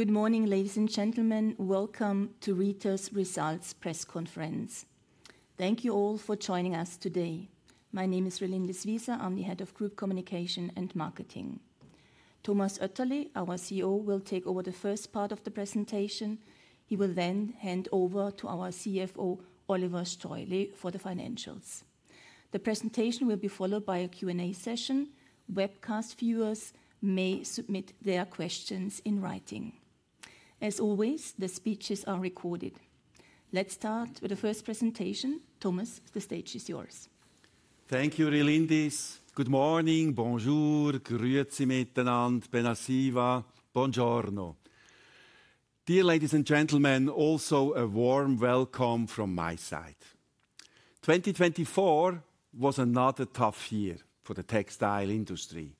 Good morning, ladies and gentlemen. Welcome to Rieter's Results Press Conference. Thank you all for joining us today. My name is Relindis Wieser. I'm the head of Group Communication and Marketing. Thomas Oetterli, our CEO, will take over the first part of the presentation. He will then hand over to our CFO, Oliver Streuli, for the financials. The presentation will be followed by a Q&A session. Webcast viewers may submit their questions in writing. As always, the speeches are recorded. Let's start with the first presentation. Thomas, the stage is yours. Thank you, Relindis. Good morning, bonjour, grüezi miteinander, buonasera, buongiorno. Dear ladies and gentlemen, also a warm welcome from my side. 2024 was another tough year for the textile industry.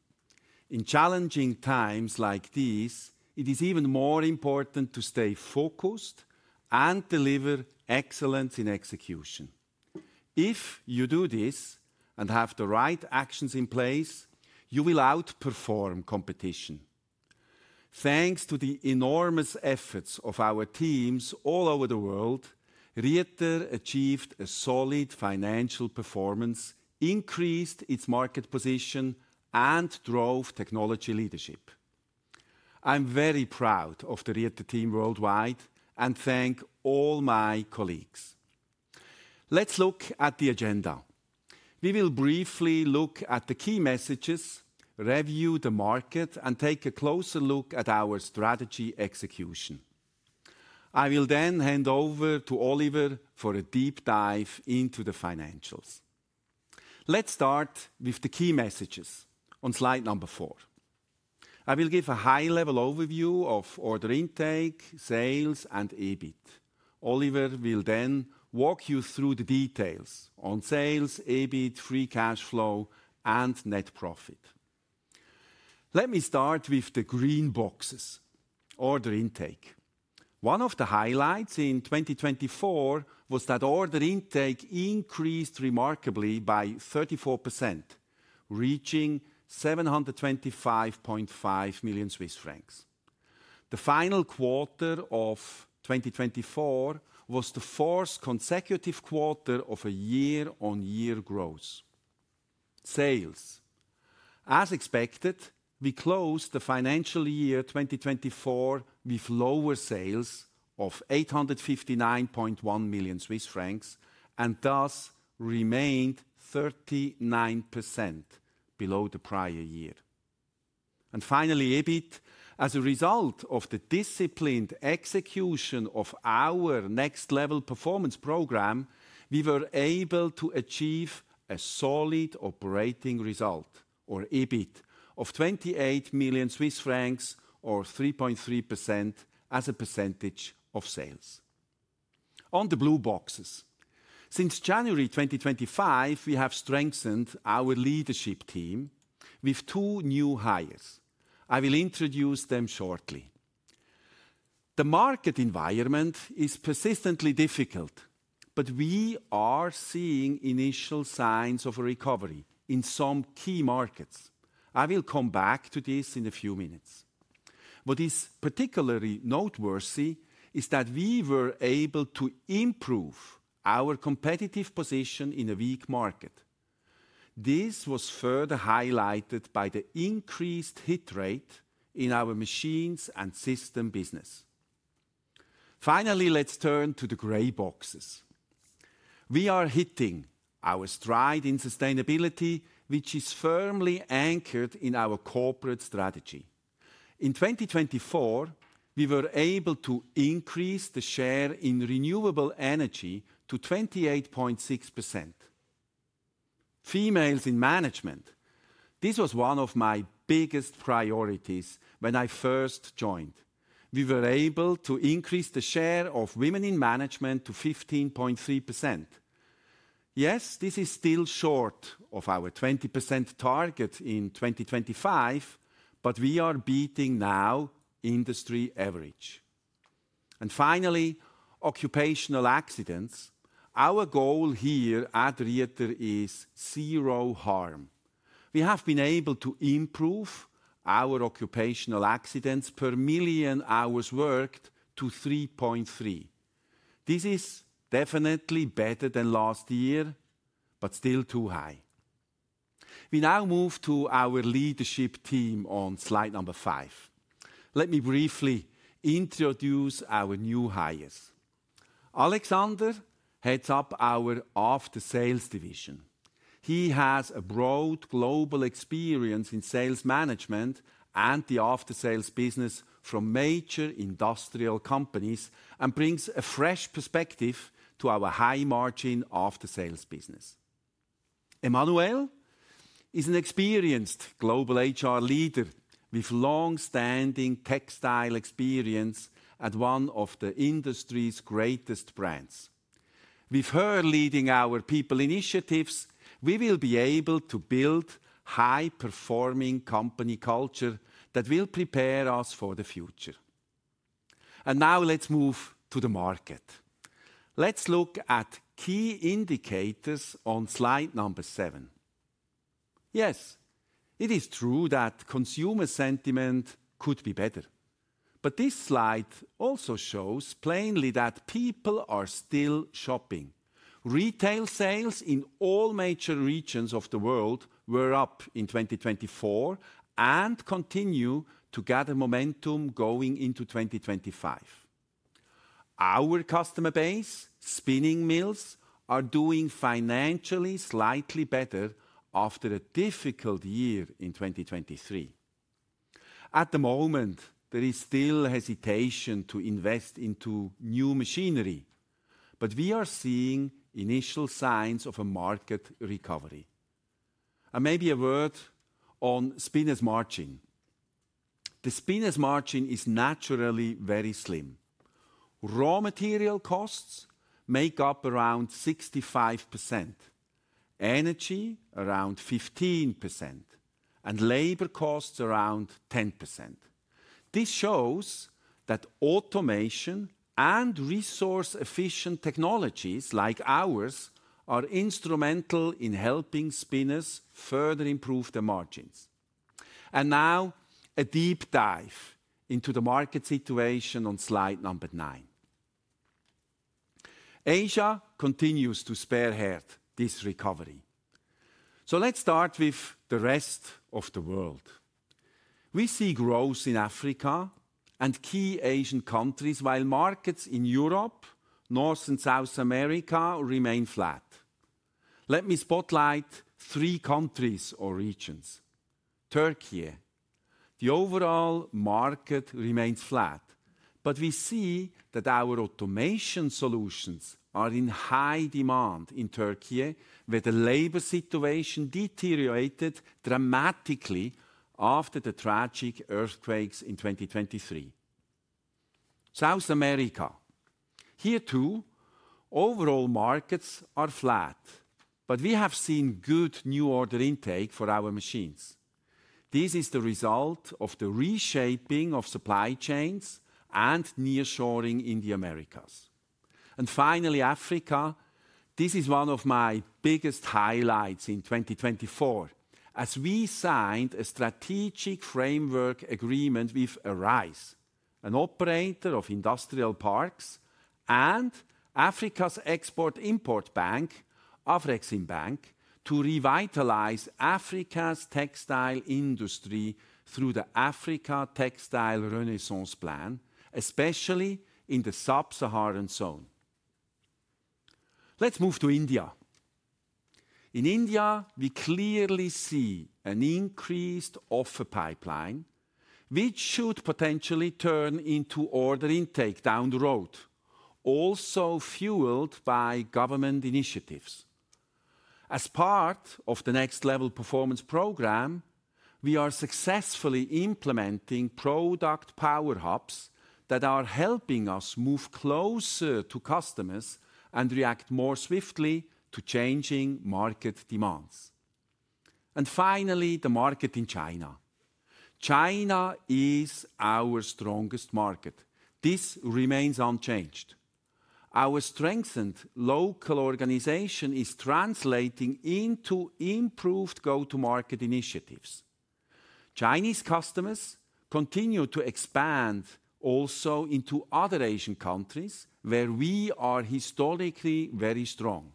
In challenging times like these, it is even more important to stay focused and deliver excellence in execution. If you do this and have the right actions in place, you will outperform competition. Thanks to the enormous efforts of our teams all over the world, Rieter achieved a solid financial performance, increased its market position, and drove technology leadership. I'm very proud of the Rieter team worldwide and thank all my colleagues. Let's look at the agenda. We will briefly look at the key messages, review the market, and take a closer look at our strategy execution. I will then hand over to Oliver for a deep dive into the financials. Let's start with the key messages on slide number four. I will give a high-level overview of order intake, sales, and EBIT. Oliver will then walk you through the details on sales, EBIT, free cash flow, and net profit. Let me start with the green boxes, order intake. One of the highlights in 2024 was that order intake increased remarkably by 34%, reaching 725.5 million Swiss francs. The final quarter of 2024 was the fourth consecutive quarter of a year-on-year growth. Sales. As expected, we closed the financial year 2024 with lower sales of 859.1 million Swiss francs and thus remained 39% below the prior year. Finally, EBIT. As a result of the disciplined execution of our next-level performance program, we were able to achieve a solid operating result, or EBIT, of 28 million Swiss francs, or 3.3% as a percentage of sales. On the blue boxes, since January 2025, we have strengthened our leadership team with two new hires. I will introduce them shortly. The market environment is persistently difficult, but we are seeing initial signs of a recovery in some key markets. I will come back to this in a few minutes. What is particularly noteworthy is that we were able to improve our competitive position in a weak market. This was further highlighted by the increased hit rate in our machines and system business. Finally, let's turn to the gray boxes. We are hitting our stride in sustainability, which is firmly anchored in our corporate strategy. In 2024, we were able to increase the share in renewable energy to 28.6%. Females in management. This was one of my biggest priorities when I first joined. We were able to increase the share of women in management to 15.3%. Yes, this is still short of our 20% target in 2025, but we are beating now industry average. Finally, occupational accidents. Our goal here at Rieter is zero harm. We have been able to improve our occupational accidents per million hours worked to 3.3. This is definitely better than last year, but still too high. We now move to our leadership team on slide number five. Let me briefly introduce our new hires. Alexander heads up our after-sales division. He has a broad global experience in sales management and the after-sales business from major industrial companies and brings a fresh perspective to our high-margin after-sales business. Emmanuelle is an experienced global HR leader with long-standing textile experience at one of the industry's greatest brands. With her leading our people initiatives, we will be able to build high-performing company culture that will prepare us for the future. Now let's move to the market. Let's look at key indicators on slide number seven. Yes, it is true that consumer sentiment could be better, but this slide also shows plainly that people are still shopping. Retail sales in all major regions of the world were up in 2024 and continue to gather momentum going into 2025. Our customer base, spinning mills, are doing financially slightly better after a difficult year in 2023. At the moment, there is still hesitation to invest into new machinery, but we are seeing initial signs of a market recovery. Maybe a word on spinner's margin. The spinner's margin is naturally very slim. Raw material costs make up around 65%, energy around 15%, and labor costs around 10%. This shows that automation and resource-efficient technologies like ours are instrumental in helping spinners further improve their margins. Now a deep dive into the market situation on slide number nine. Asia continues to spearhead this recovery. Let's start with the rest of the world. We see growth in Africa and key Asian countries while markets in Europe, North and South America remain flat. Let me spotlight three countries or regions. Türkiye. The overall market remains flat, but we see that our automation solutions are in high demand in Türkiye, where the labor situation deteriorated dramatically after the tragic earthquakes in 2023. South America. Here too, overall markets are flat, but we have seen good new order intake for our machines. This is the result of the reshaping of supply chains and nearshoring in the Americas. Finally, Africa. This is one of my biggest highlights in 2024 as we signed a strategic framework agreement with ARISE, an operator of industrial parks, and Africa's export-import bank, Afrexim Bank, to revitalize Africa's textile industry through the Africa Textile Renaissance Plan, especially in the sub-Saharan zone. Let's move to India. In India, we clearly see an increased offer pipeline, which should potentially turn into order intake down the road, also fueled by government initiatives. As part of the next-level performance program, we are successfully implementing product power hubs that are helping us move closer to customers and react more swiftly to changing market demands. Finally, the market in China. China is our strongest market. This remains unchanged. Our strengthened local organization is translating into improved go-to-market initiatives. Chinese customers continue to expand also into other Asian countries where we are historically very strong.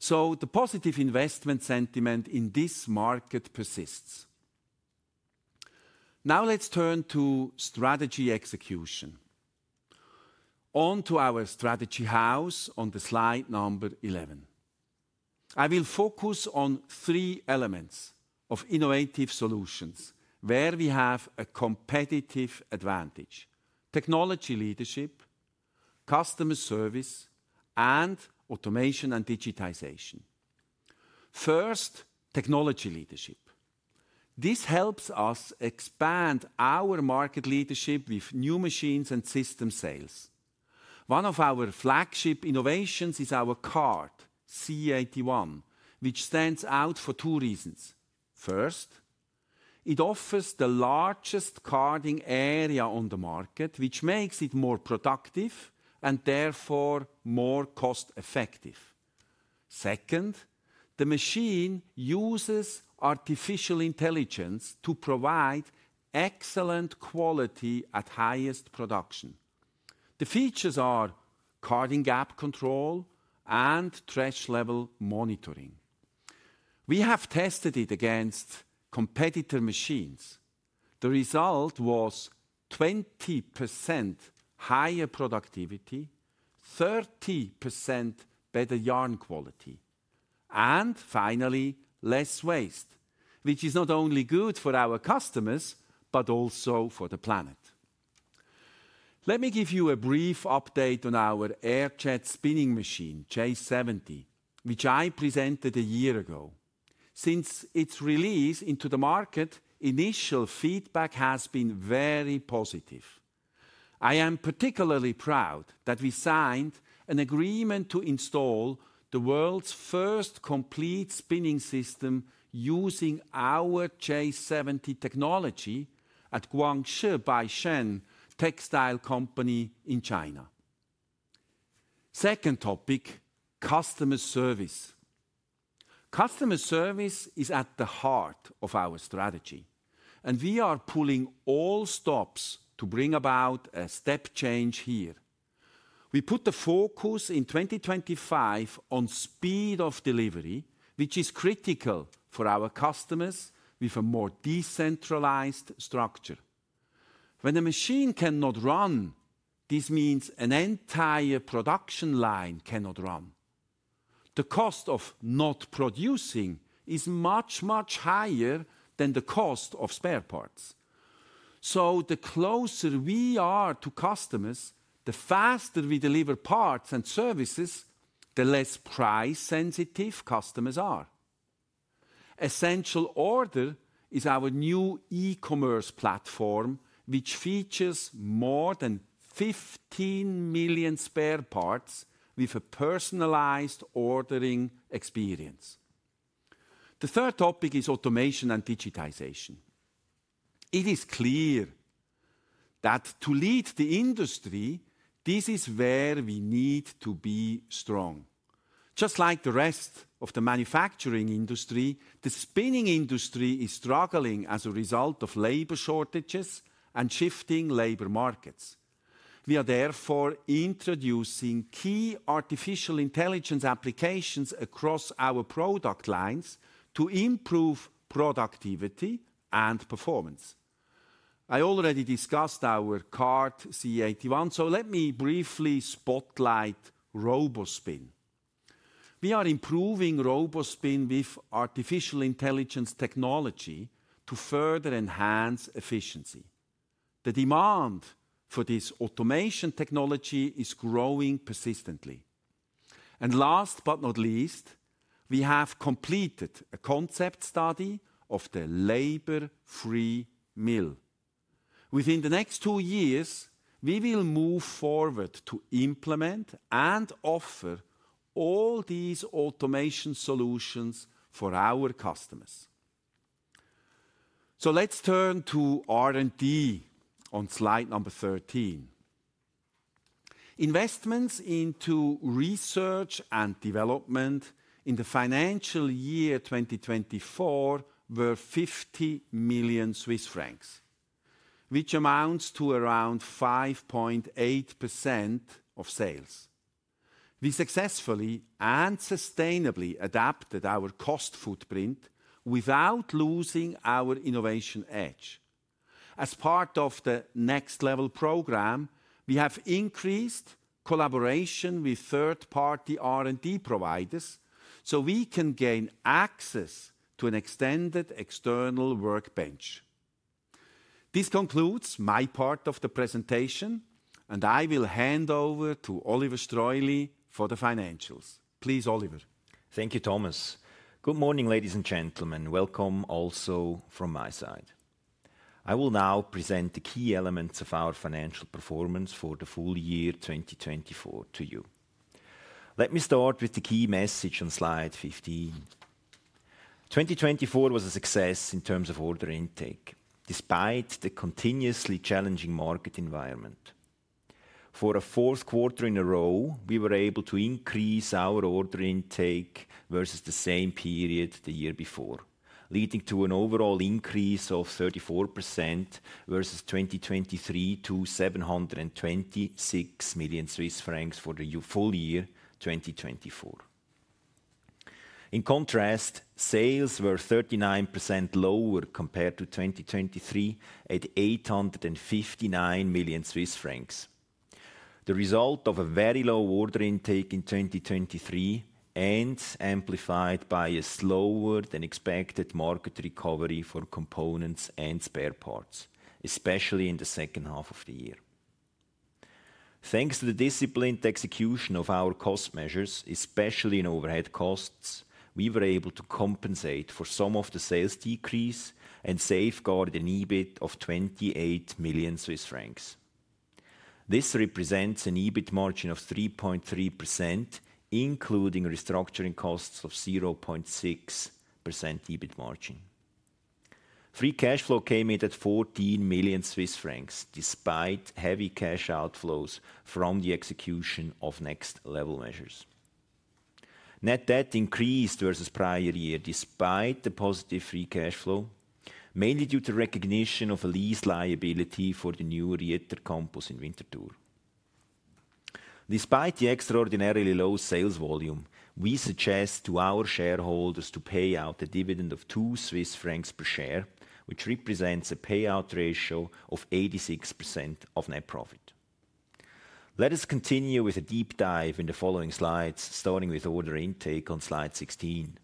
The positive investment sentiment in this market persists. Now let's turn to strategy execution. On to our strategy house on slide number 11. I will focus on three elements of innovative solutions where we have a competitive advantage: technology leadership, customer service, and automation and digitization. First, technology leadership. This helps us expand our market leadership with new machines and system sales. One of our flagship innovations is our card, C81, which stands out for two reasons. First, it offers the largest carding area on the market, which makes it more productive and therefore more cost-effective. Second, the machine uses artificial intelligence to provide excellent quality at highest production. The features are carding gap control and threshold level monitoring. We have tested it against competitor machines. The result was 20% higher productivity, 30% better yarn quality, and finally, less waste, which is not only good for our customers but also for the planet. Let me give you a brief update on our air-jet spinning machine, J70, which I presented a year ago. Since its release into the market, initial feedback has been very positive. I am particularly proud that we signed an agreement to install the world's first complete spinning system using our J70 technology at Guangshi Baishen Textile Company in China. Second topic, customer service. Customer service is at the heart of our strategy, and we are pulling all stops to bring about a step change here. We put the focus in 2025 on speed of delivery, which is critical for our customers with a more decentralized structure. When a machine cannot run, this means an entire production line cannot run. The cost of not producing is much, much higher than the cost of spare parts. The closer we are to customers, the faster we deliver parts and services, the less price-sensitive customers are. Essential Order is our new e-commerce platform, which features more than 15 million spare parts with a personalized ordering experience. The third topic is automation and digitization. It is clear that to lead the industry, this is where we need to be strong. Just like the rest of the manufacturing industry, the spinning industry is struggling as a result of labor shortages and shifting labor markets. We are therefore introducing key artificial intelligence applications across our product lines to improve productivity and performance. I already discussed our card, C81, so let me briefly spotlight ROBOspin. We are improving ROBOspin with artificial intelligence technology to further enhance efficiency. The demand for this automation technology is growing persistently. Last but not least, we have completed a concept study of the labor-free mill. Within the next two years, we will move forward to implement and offer all these automation solutions for our customers. Let's turn to R&D on slide number 13. Investments into research and development in the financial year 2024 were 50 million Swiss francs, which amounts to around 5.8% of sales. We successfully and sustainably adapted our cost footprint without losing our innovation edge. As part of the next-level program, we have increased collaboration with third-party R&D providers so we can gain access to an extended external workbench. This concludes my part of the presentation, and I will hand over to Oliver Streuli for the financials. Please, Oliver. Thank you, Thomas. Good morning, ladies and gentlemen. Welcome also from my side. I will now present the key elements of our financial performance for the full year 2024 to you. Let me start with the key message on slide 15. 2024 was a success in terms of order intake, despite the continuously challenging market environment. For a fourth quarter in a row, we were able to increase our order intake versus the same period the year before, leading to an overall increase of 34% versus 2023 to 726 million Swiss francs for the full year 2024. In contrast, sales were 39% lower compared to 2023 at 859 million Swiss francs. The result of a very low order intake in 2023 and amplified by a slower than expected market recovery for components and spare parts, especially in the second half of the year. Thanks to the disciplined execution of our cost measures, especially in overhead costs, we were able to compensate for some of the sales decrease and safeguard an EBIT of 28 million Swiss francs. This represents an EBIT margin of 3.3%, including restructuring costs of 0.6% EBIT margin. Free cash flow came in at 14 million Swiss francs despite heavy cash outflows from the execution of next-level measures. Net debt increased versus prior year despite the positive free cash flow, mainly due to recognition of a lease liability for the new Rieter campus in Winterthur. Despite the extraordinarily low sales volume, we suggest to our shareholders to pay out a dividend of 2 Swiss francs per share, which represents a payout ratio of 86% of net profit. Let us continue with a deep dive in the following slides, starting with order intake on slide 16.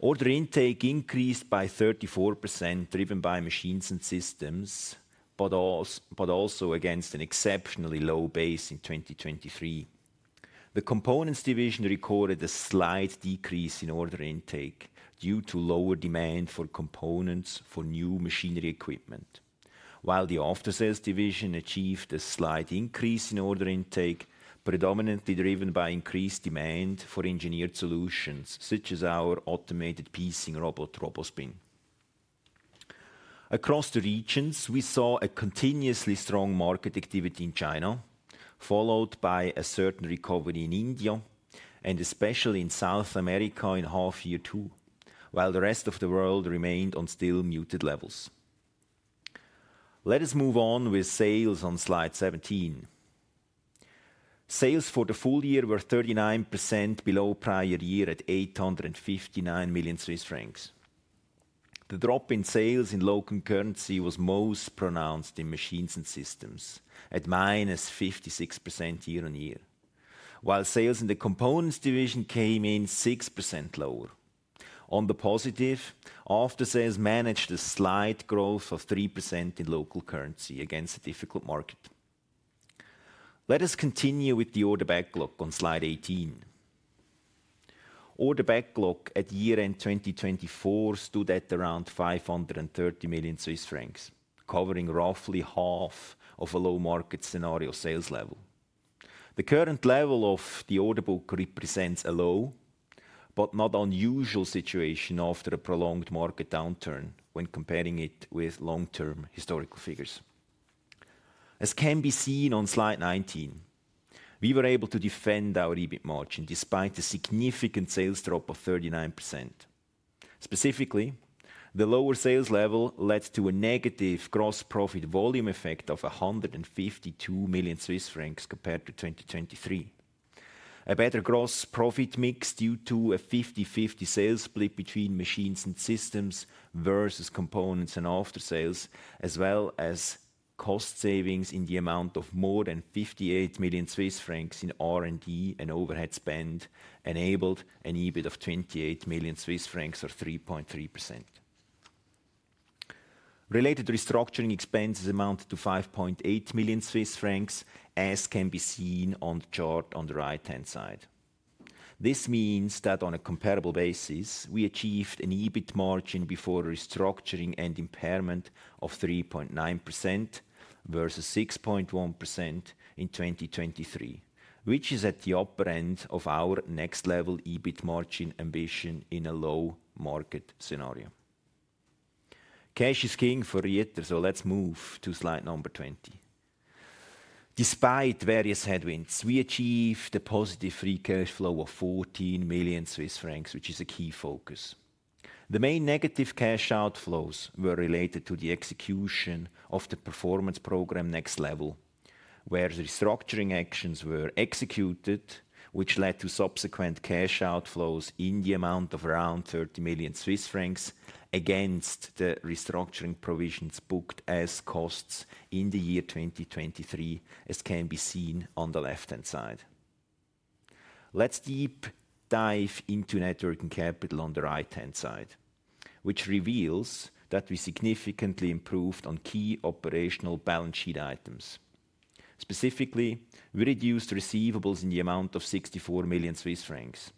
Order intake increased by 34%, driven by machines and systems, but also against an exceptionally low base in 2023. The components division recorded a slight decrease in order intake due to lower demand for components for new machinery equipment, while the after-sales division achieved a slight increase in order intake, predominantly driven by increased demand for engineered solutions such as our automated piecing robot, ROBOspin. Across the regions, we saw a continuously strong market activity in China, followed by a certain recovery in India and especially in South America in half year two, while the rest of the world remained on still muted levels. Let us move on with sales on slide 17. Sales for the full year were 39% below prior year at 859 million Swiss francs. The drop in sales in local currency was most pronounced in machines and systems at minus 56% year on year, while sales in the components division came in 6% lower. On the positive, after-sales managed a slight growth of 3% in local currency against a difficult market. Let us continue with the order backlog on slide 18. Order backlog at year-end 2024 stood at around 530 million Swiss francs, covering roughly half of a low market scenario sales level. The current level of the order book represents a low, but not unusual situation after a prolonged market downturn when comparing it with long-term historical figures. As can be seen on slide 19, we were able to defend our EBIT margin despite a significant sales drop of 39%. Specifically, the lower sales level led to a negative gross profit volume effect of 152 million Swiss francs compared to 2023. A better gross profit mix due to a 50-50 sales split between machines and systems versus components and after-sales, as well as cost savings in the amount of more than 58 million Swiss francs in R&D and overhead spend, enabled an EBIT of 28 million Swiss francs or 3.3%. Related restructuring expenses amounted to 5.8 million Swiss francs, as can be seen on the chart on the right-hand side. This means that on a comparable basis, we achieved an EBIT margin before restructuring and impairment of 3.9% versus 6.1% in 2023, which is at the upper end of our next-level EBIT margin ambition in a low market scenario. Cash is king for Rieter, so let's move to slide number 20. Despite various headwinds, we achieved a positive free cash flow of 14 million Swiss francs, which is a key focus. The main negative cash outflows were related to the execution of the performance program next level, where restructuring actions were executed, which led to subsequent cash outflows in the amount of around 30 million Swiss francs against the restructuring provisions booked as costs in the year 2023, as can be seen on the left-hand side. Let's deep dive into networking capital on the right-hand side, which reveals that we significantly improved on key operational balance sheet items. Specifically, we reduced receivables in the amount of 64 million Swiss francs.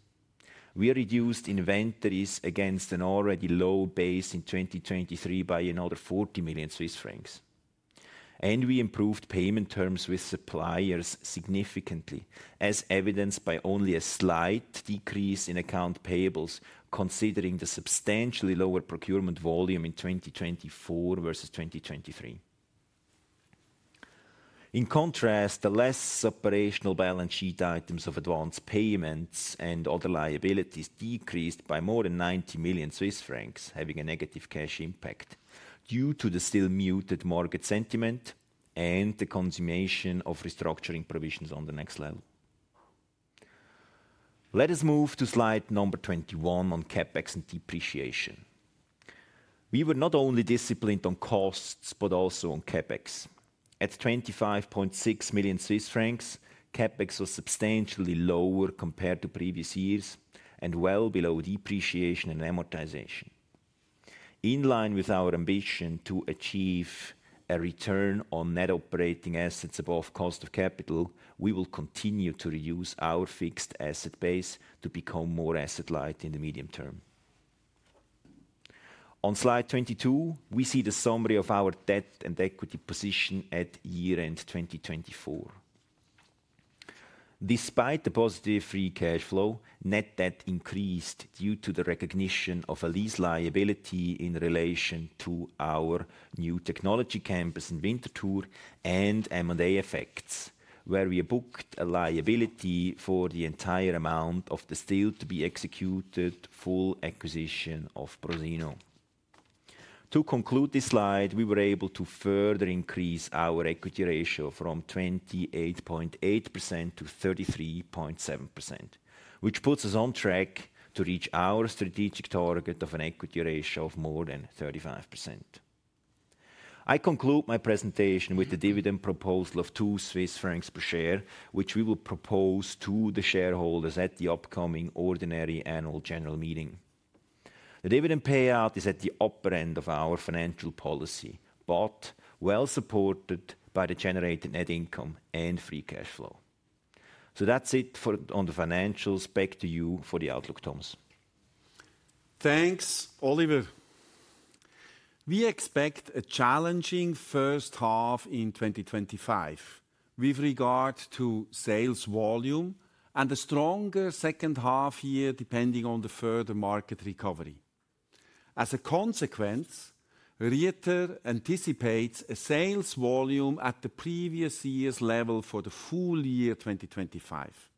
We reduced inventories against an already low base in 2023 by another 40 million Swiss francs. We improved payment terms with suppliers significantly, as evidenced by only a slight decrease in account payables, considering the substantially lower procurement volume in 2024 versus 2023. In contrast, the less operational balance sheet items of advance payments and other liabilities decreased by more than 90 million Swiss francs, having a negative cash impact due to the still muted market sentiment and the consummation of restructuring provisions on the next level. Let us move to slide number 21 on CapEx and depreciation. We were not only disciplined on costs, but also on CapEx. At 25.6 million Swiss francs, CapEx was substantially lower compared to previous years and well below depreciation and amortization. In line with our ambition to achieve a return on net operating assets above cost of capital, we will continue to reduce our fixed asset base to become more asset-light in the medium term. On slide 22, we see the summary of our debt and equity position at year-end 2024. Despite the positive free cash flow, net debt increased due to the recognition of a lease liability in relation to our new technology campus in Winterthur and M&A effects, where we booked a liability for the entire amount of the still-to-be-executed full acquisition of Prosino. To conclude this slide, we were able to further increase our equity ratio from 28.8% to 33.7%, which puts us on track to reach our strategic target of an equity ratio of more than 35%. I conclude my presentation with the dividend proposal of 2 Swiss francs per share, which we will propose to the shareholders at the upcoming ordinary annual general meeting. The dividend payout is at the upper end of our financial policy, but well supported by the generated net income and free cash flow. That is it for on the financials. Back to you for the outlook, Thomas. Thanks, Oliver. We expect a challenging first half in 2025 with regard to sales volume and a stronger second half year depending on the further market recovery. As a consequence, Rieter anticipates a sales volume at the previous year's level for the full year 2025.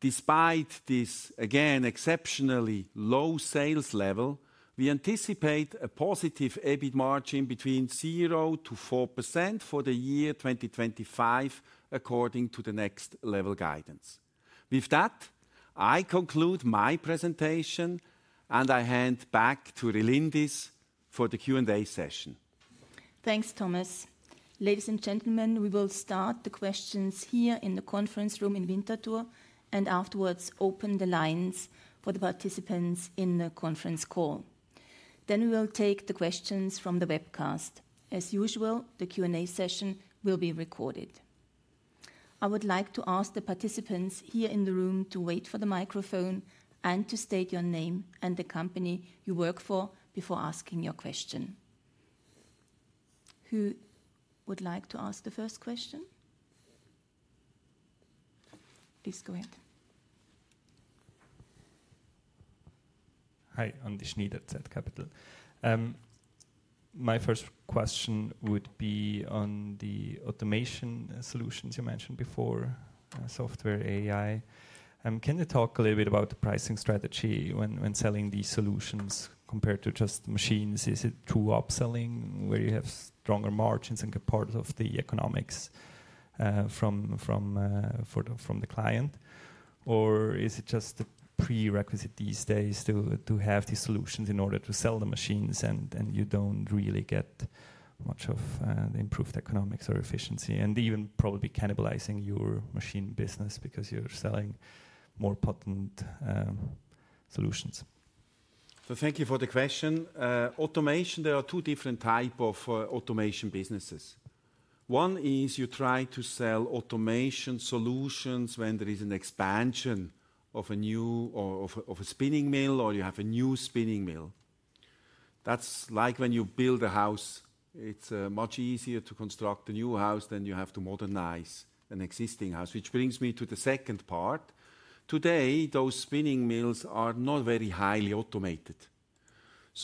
Despite this, again, exceptionally low sales level, we anticipate a positive EBIT margin between 0-4% for the year 2025 according to the next-level guidance. With that, I conclude my presentation, and I hand back to Rieter Relindis for the Q&A session. Thanks, Thomas. Ladies and gentlemen, we will start the questions here in the conference room in Winterthur and afterwards open the lines for the participants in the conference call. We will take the questions from the webcast. As usual, the Q&A session will be recorded. I would like to ask the participants here in the room to wait for the microphone and to state your name and the company you work for before asking your question. Who would like to ask the first question? Please go ahead. Hi, Andy Schneider at zCapital. My first question would be on the automation solutions you mentioned before, software AI. Can you talk a little bit about the pricing strategy when selling these solutions compared to just machines? Is it true upselling where you have stronger margins and get part of the economics from the client? Is it just a prerequisite these days to have these solutions in order to sell the machines and you do not really get much of the improved economics or efficiency and even probably cannibalizing your machine business because you are selling more potent solutions? Thank you for the question. Automation, there are two different types of automation businesses. One is you try to sell automation solutions when there is an expansion of a new or of a spinning mill or you have a new spinning mill. That's like when you build a house. It's much easier to construct a new house than you have to modernize an existing house, which brings me to the second part. Today, those spinning mills are not very highly automated.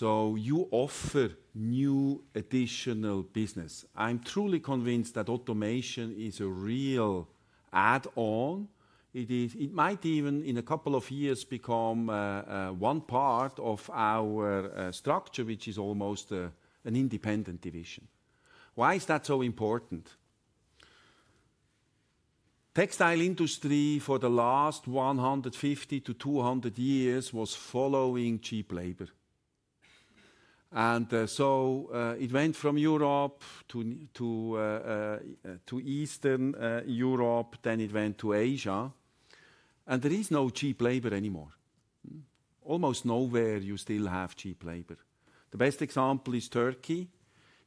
You offer new additional business. I'm truly convinced that automation is a real add-on. It might even, in a couple of years, become one part of our structure, which is almost an independent division. Why is that so important? Textile industry for the last 150 to 200 years was following cheap labor. It went from Europe to Eastern Europe, then it went to Asia. There is no cheap labor anymore. Almost nowhere you still have cheap labor. The best example is Turkey.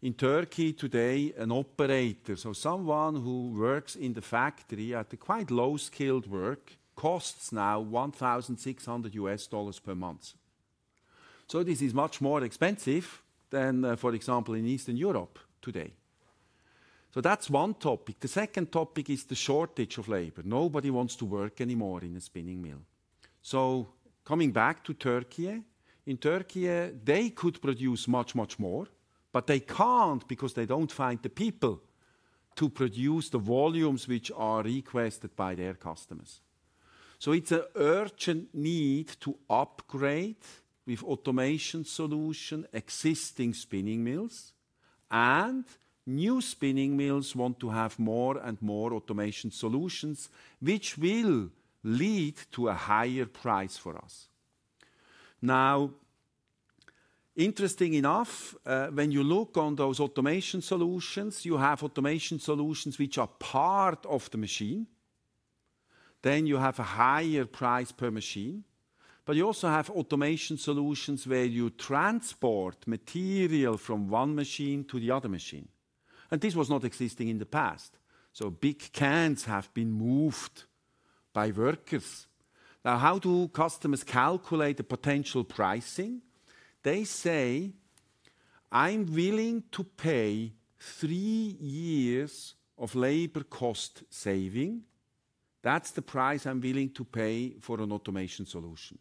In Turkey today, an operator, so someone who works in the factory at a quite low-skilled work, costs now $1,600 per month. This is much more expensive than, for example, in Eastern Europe today. That is one topic. The second topic is the shortage of labor. Nobody wants to work anymore in a spinning mill. Coming back to Turkey, in Turkey, they could produce much, much more, but they cannot because they do not find the people to produce the volumes which are requested by their customers. It is an urgent need to upgrade with automation solutions, existing spinning mills, and new spinning mills want to have more and more automation solutions, which will lead to a higher price for us. Now, interesting enough, when you look on those automation solutions, you have automation solutions which are part of the machine. Then you have a higher price per machine. You also have automation solutions where you transport material from one machine to the other machine. This was not existing in the past. Big cans have been moved by workers. Now, how do customers calculate the potential pricing? They say, "I'm willing to pay three years of labor cost saving. That's the price I'm willing to pay for an automation solution."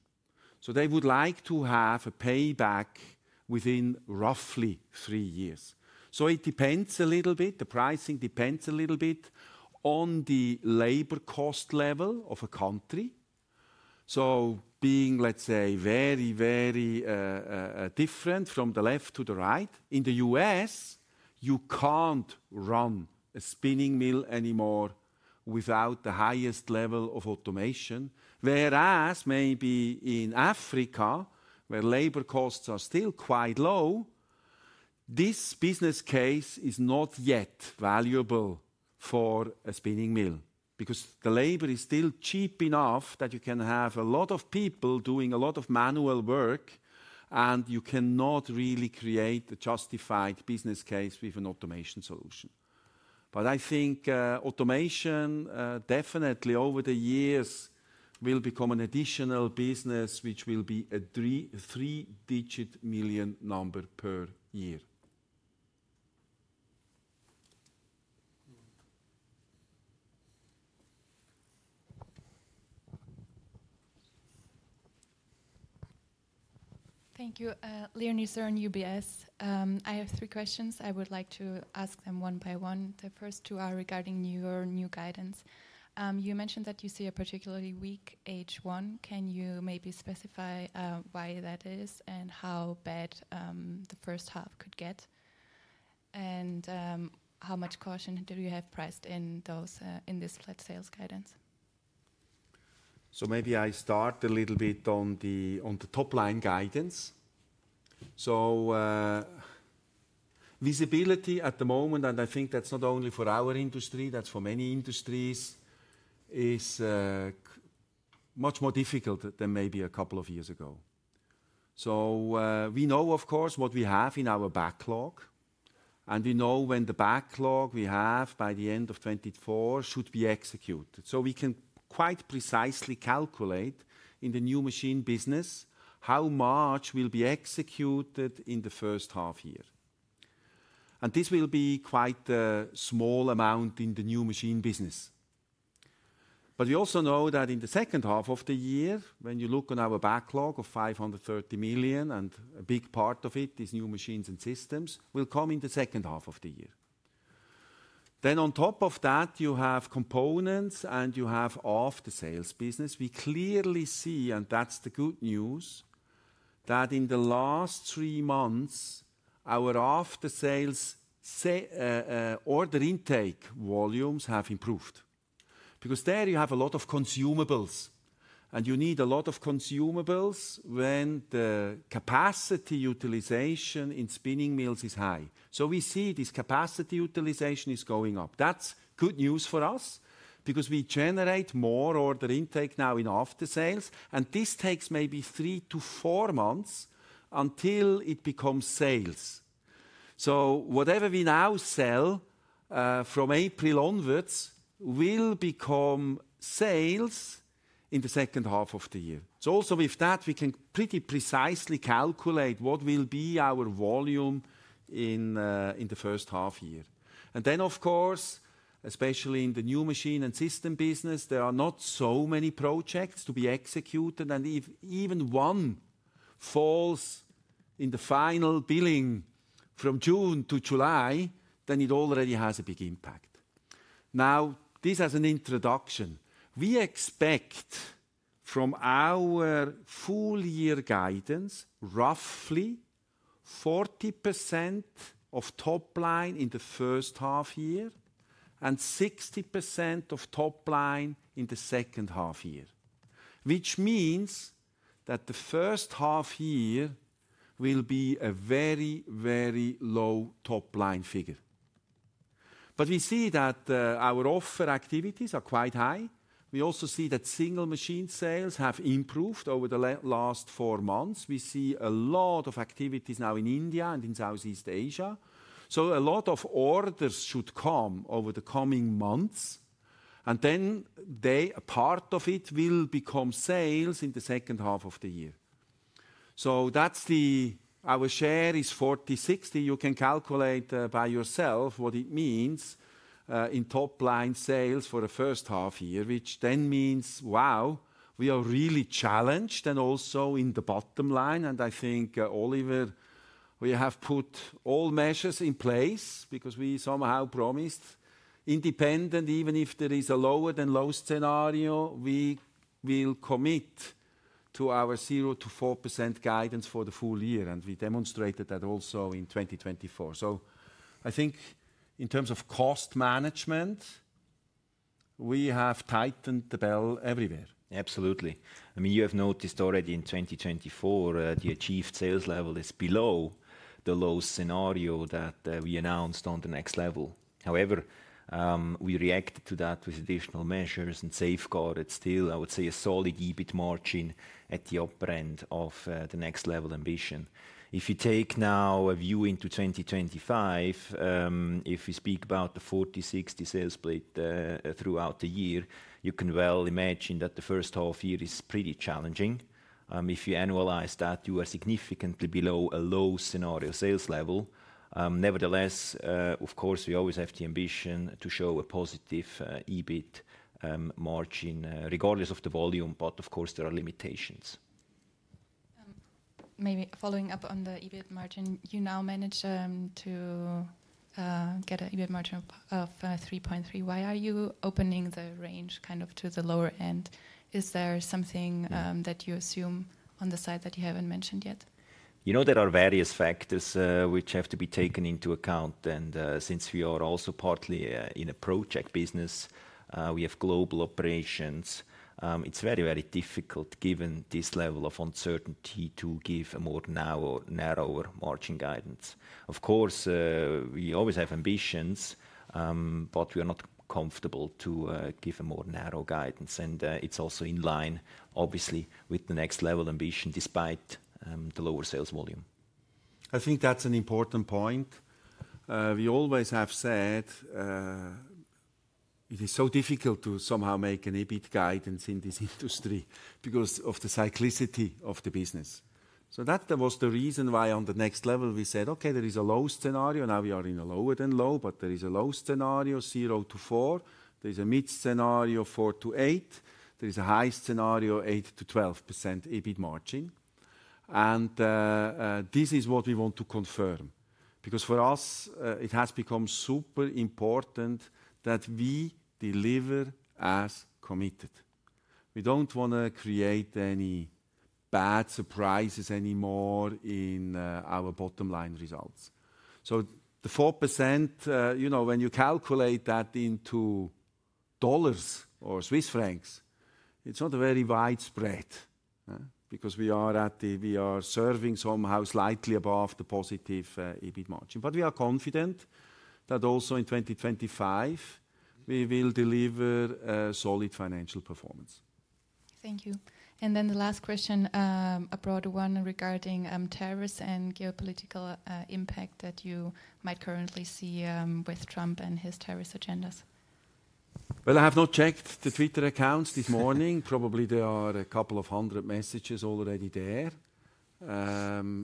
They would like to have a payback within roughly three years. It depends a little bit. The pricing depends a little bit on the labor cost level of a country, being, let's say, very, very different from the left to the right. In the U.S., you can't run a spinning mill anymore without the highest level of automation. Whereas maybe in Africa, where labor costs are still quite low, this business case is not yet valuable for a spinning mill because the labor is still cheap enough that you can have a lot of people doing a lot of manual work, and you cannot really create a justified business case with an automation solution. I think automation definitely over the years will become an additional business which will be a three-digit million number per year. Thank you.[Linderis], UBS. I have three questions. I would like to ask them one by one. The first two are regarding your new guidance. You mentioned that you see a particularly weak H1. Can you maybe specify why that is and how bad the first half could get? How much caution do you have priced in this flat sales guidance? Maybe I start a little bit on the top-line guidance. Visibility at the moment, and I think that's not only for our industry, that's for many industries, is much more difficult than maybe a couple of years ago. We know, of course, what we have in our backlog, and we know when the backlog we have by the end of 2024 should be executed. We can quite precisely calculate in the new machine business how much will be executed in the first half year. This will be quite a small amount in the new machine business. We also know that in the second half of the year, when you look on our backlog of 530 million, and a big part of it is new machines and systems, will come in the second half of the year. On top of that, you have components and you have after-sales business. We clearly see, and that's the good news, that in the last three months, our after-sales order intake volumes have improved. Because there you have a lot of consumables, and you need a lot of consumables when the capacity utilization in spinning mills is high. We see this capacity utilization is going up. That's good news for us because we generate more order intake now in after-sales, and this takes maybe three to four months until it becomes sales. Whatever we now sell from April onwards will become sales in the second half of the year. Also with that, we can pretty precisely calculate what will be our volume in the first half year. Of course, especially in the new machine and system business, there are not so many projects to be executed, and if even one falls in the final billing from June to July, then it already has a big impact. This as an introduction, we expect from our full-year guidance roughly 40% of top line in the first half year and 60% of top line in the second half year, which means that the first half year will be a very, very low top line figure. We see that our offer activities are quite high. We also see that single machine sales have improved over the last four months. We see a lot of activities now in India and in Southeast Asia. A lot of orders should come over the coming months, and then part of it will become sales in the second half of the year. Our share is 40-60. You can calculate by yourself what it means in top line sales for the first half year, which then means, wow, we are really challenged and also in the bottom line. I think, Oliver, we have put all measures in place because we somehow promised independent, even if there is a lower than low scenario, we will commit to our 0-4% guidance for the full year. We demonstrated that also in 2024. I think in terms of cost management, we have tightened the belt everywhere. Absolutely. I mean, you have noticed already in 2024, the achieved sales level is below the low scenario that we announced on the next level. However, we reacted to that with additional measures and safeguarded still, I would say, a solid EBIT margin at the upper end of the next level ambition. If you take now a view into 2025, if we speak about the 40-60 sales split throughout the year, you can well imagine that the first half year is pretty challenging. If you analyze that, you are significantly below a low scenario sales level. Nevertheless, of course, we always have the ambition to show a positive EBIT margin regardless of the volume, but of course, there are limitations. Maybe following up on the EBIT margin, you now manage to get an EBIT margin of 3.3%. Why are you opening the range kind of to the lower end? Is there something that you assume on the side that you haven't mentioned yet? You know, there are various factors which have to be taken into account. Since we are also partly in a project business, we have global operations, it's very, very difficult given this level of uncertainty to give a more narrow margin guidance. Of course, we always have ambitions, but we are not comfortable to give a more narrow guidance. It's also in line, obviously, with the next level ambition despite the lower sales volume. I think that's an important point. We always have said it is so difficult to somehow make an EBIT guidance in this industry because of the cyclicity of the business. That was the reason why on the next level we said, okay, there is a low scenario. Now we are in a lower than low, but there is a low scenario, 0-4%. There is a mid scenario, 4-8%. There is a high scenario, 8-12% EBIT margin. This is what we want to confirm because for us, it has become super important that we deliver as committed. We do not want to create any bad surprises anymore in our bottom line results. The 4%, you know, when you calculate that into dollars or Swiss francs, it is not very widespread because we are serving somehow slightly above the positive EBIT margin. We are confident that also in 2025, we will deliver a solid financial performance. Thank you. The last question, a broader one regarding tariffs and geopolitical impact that you might currently see with Trump and his tariffs agendas. I have not checked the Twitter accounts this morning. Probably there are a couple of hundred messages already there.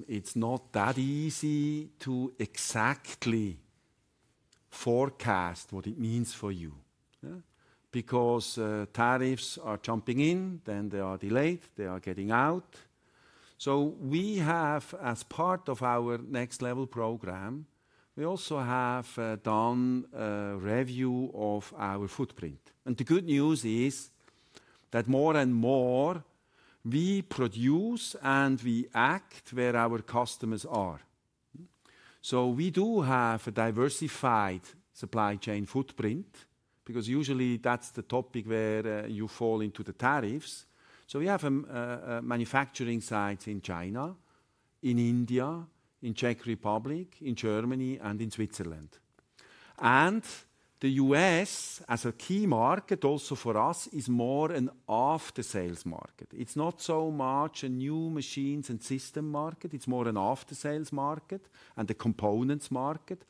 It's not that easy to exactly forecast what it means for you because tariffs are jumping in, then they are delayed, they are getting out. We have, as part of our next-level program, also done a review of our footprint. The good news is that more and more we produce and we act where our customers are. We do have a diversified supply chain footprint because usually that's the topic where you fall into the tariffs. We have manufacturing sites in China, in India, in Czech Republic, in Germany, and in Switzerland. The U.S., as a key market also for us, is more an after-sales market. It's not so much a new machines and system market. It's more an after-sales market and a components market.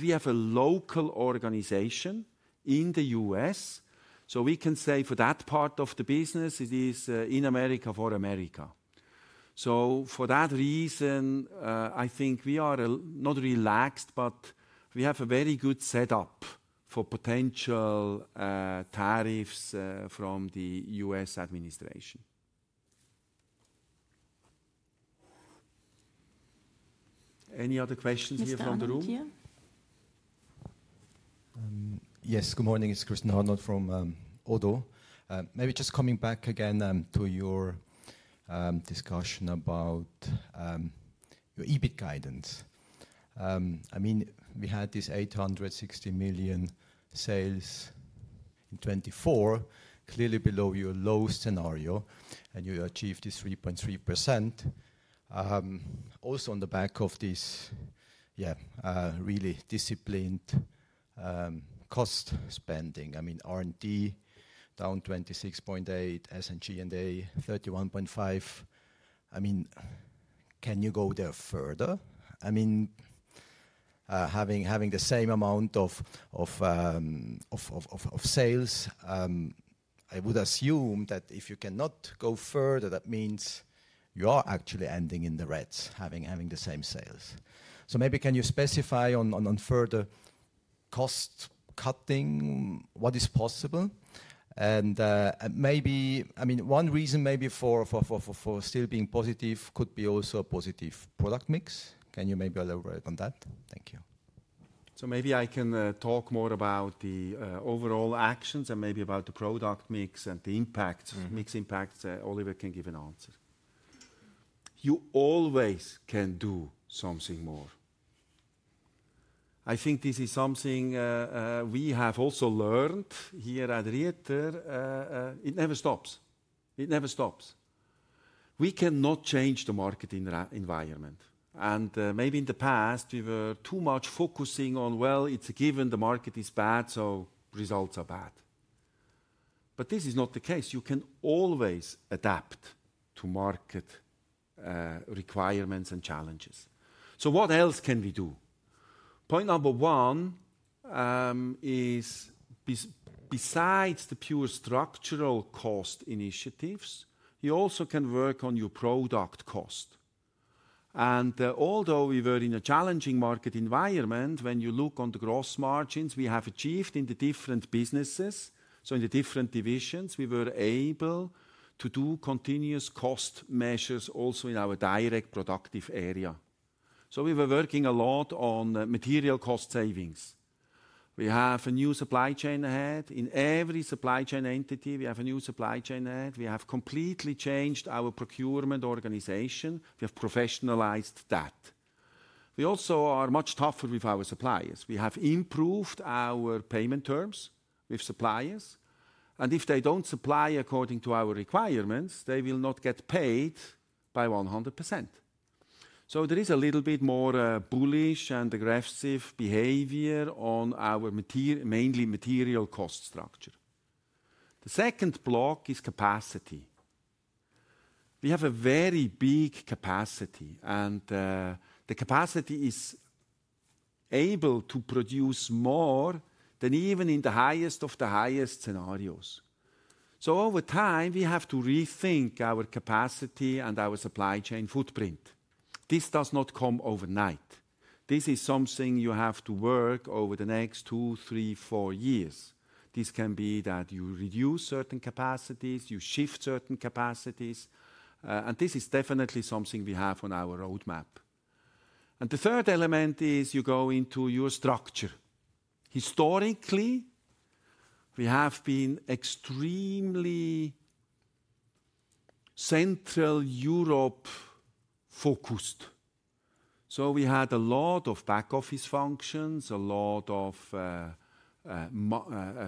We have a local organization in the U.S. For that part of the business, it is in America for America. For that reason, I think we are not relaxed, but we have a very good setup for potential tariffs from the U.S. administration. Any other questions here from the room? Yes, good morning. It's Christian Hodlund from Odoo. Maybe just coming back again to your discussion about your EBIT guidance. I mean, we had this 860 million sales in 2024, clearly below your low scenario, and you achieved this 3.3%. Also on the back of this, yeah, really disciplined cost spending. I mean, R&D down 26.8, S&G and A 31.5. I mean, can you go there further? I mean, having the same amount of sales, I would assume that if you cannot go further, that means you are actually ending in the red, having the same sales. Maybe can you specify on further cost cutting, what is possible? Maybe, I mean, one reason maybe for still being positive could be also a positive product mix. Can you maybe elaborate on that? Thank you. Maybe I can talk more about the overall actions and maybe about the product mix and the impact, mixed impacts. Oliver can give an answer. You always can do something more. I think this is something we have also learned here at Rieter. It never stops. It never stops. We cannot change the market environment. Maybe in the past, we were too much focusing on, well, it's a given the market is bad, so results are bad. This is not the case. You can always adapt to market requirements and challenges. What else can we do? Point number one is besides the pure structural cost initiatives, you also can work on your product cost. Although we were in a challenging market environment, when you look on the gross margins we have achieved in the different businesses, so in the different divisions, we were able to do continuous cost measures also in our direct productive area. We were working a lot on material cost savings. We have a new supply chain ahead. In every supply chain entity, we have a new supply chain ahead. We have completely changed our procurement organization. We have professionalized that. We also are much tougher with our suppliers. We have improved our payment terms with suppliers. If they do not supply according to our requirements, they will not get paid by 100%. There is a little bit more bullish and aggressive behavior on our mainly material cost structure. The second block is capacity. We have a very big capacity, and the capacity is able to produce more than even in the highest of the highest scenarios. Over time, we have to rethink our capacity and our supply chain footprint. This does not come overnight. This is something you have to work over the next two, three, four years. This can be that you reduce certain capacities, you shift certain capacities. This is definitely something we have on our roadmap. The third element is you go into your structure. Historically, we have been extremely Central Europe focused. We had a lot of back office functions, a lot of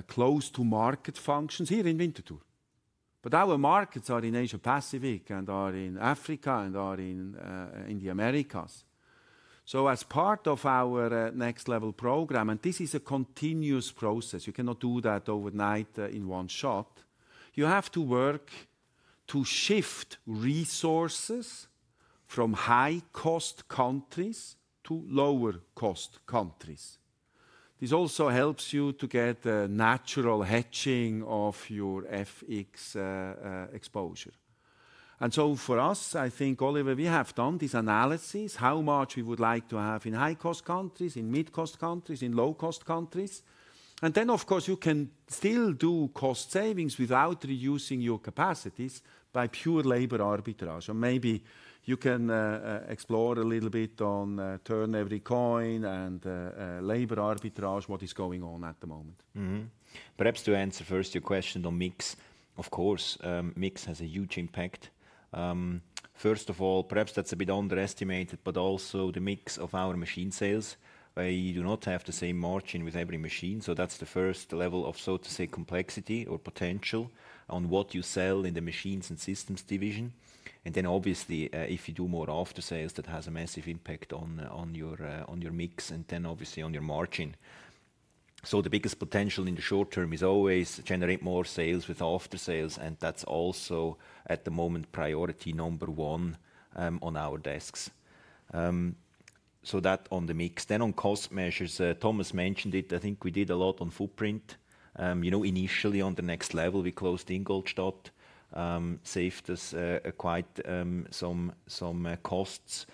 close-to-market functions here in Winterthur. Our markets are in Asia-Pacific and are in Africa and are in the Americas. As part of our next-level program, and this is a continuous process, you cannot do that overnight in one shot. You have to work to shift resources from high-cost countries to lower-cost countries. This also helps you to get a natural hatching of your FX exposure. For us, I think, Oliver, we have done this analysis, how much we would like to have in high-cost countries, in mid-cost countries, in low-cost countries. Of course, you can still do cost savings without reducing your capacities by pure labor arbitrage. Maybe you can explore a little bit on turn every coin and labor arbitrage, what is going on at the moment. Perhaps to answer first your question on mix, of course, mix has a huge impact. First of all, perhaps that's a bit underestimated, but also the mix of our machine sales, we do not have the same margin with every machine. That's the first level of, so to say, complexity or potential on what you sell in the machines and systems division. Obviously, if you do more after-sales, that has a massive impact on your mix and then obviously on your margin. The biggest potential in the short term is always generate more sales with after-sales. That's also at the moment priority number one on our desks. That on the mix. On cost measures, Thomas mentioned it. I think we did a lot on footprint. You know, initially on the next-level, we closed Ingolstadt, saved us quite some costs.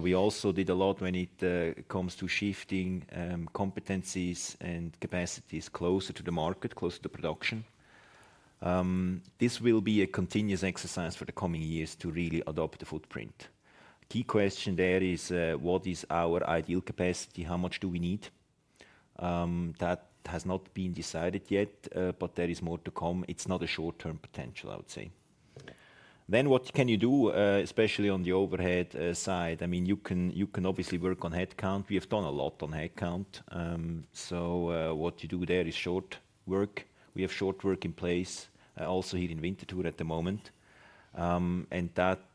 We also did a lot when it comes to shifting competencies and capacities closer to the market, closer to production. This will be a continuous exercise for the coming years to really adopt the footprint. Key question there is what is our ideal capacity, how much do we need? That has not been decided yet, but there is more to come. It is not a short-term potential, I would say. What can you do, especially on the overhead side? I mean, you can obviously work on headcount. We have done a lot on headcount. What you do there is short work. We have short work in place also here in Winterthur at the moment. That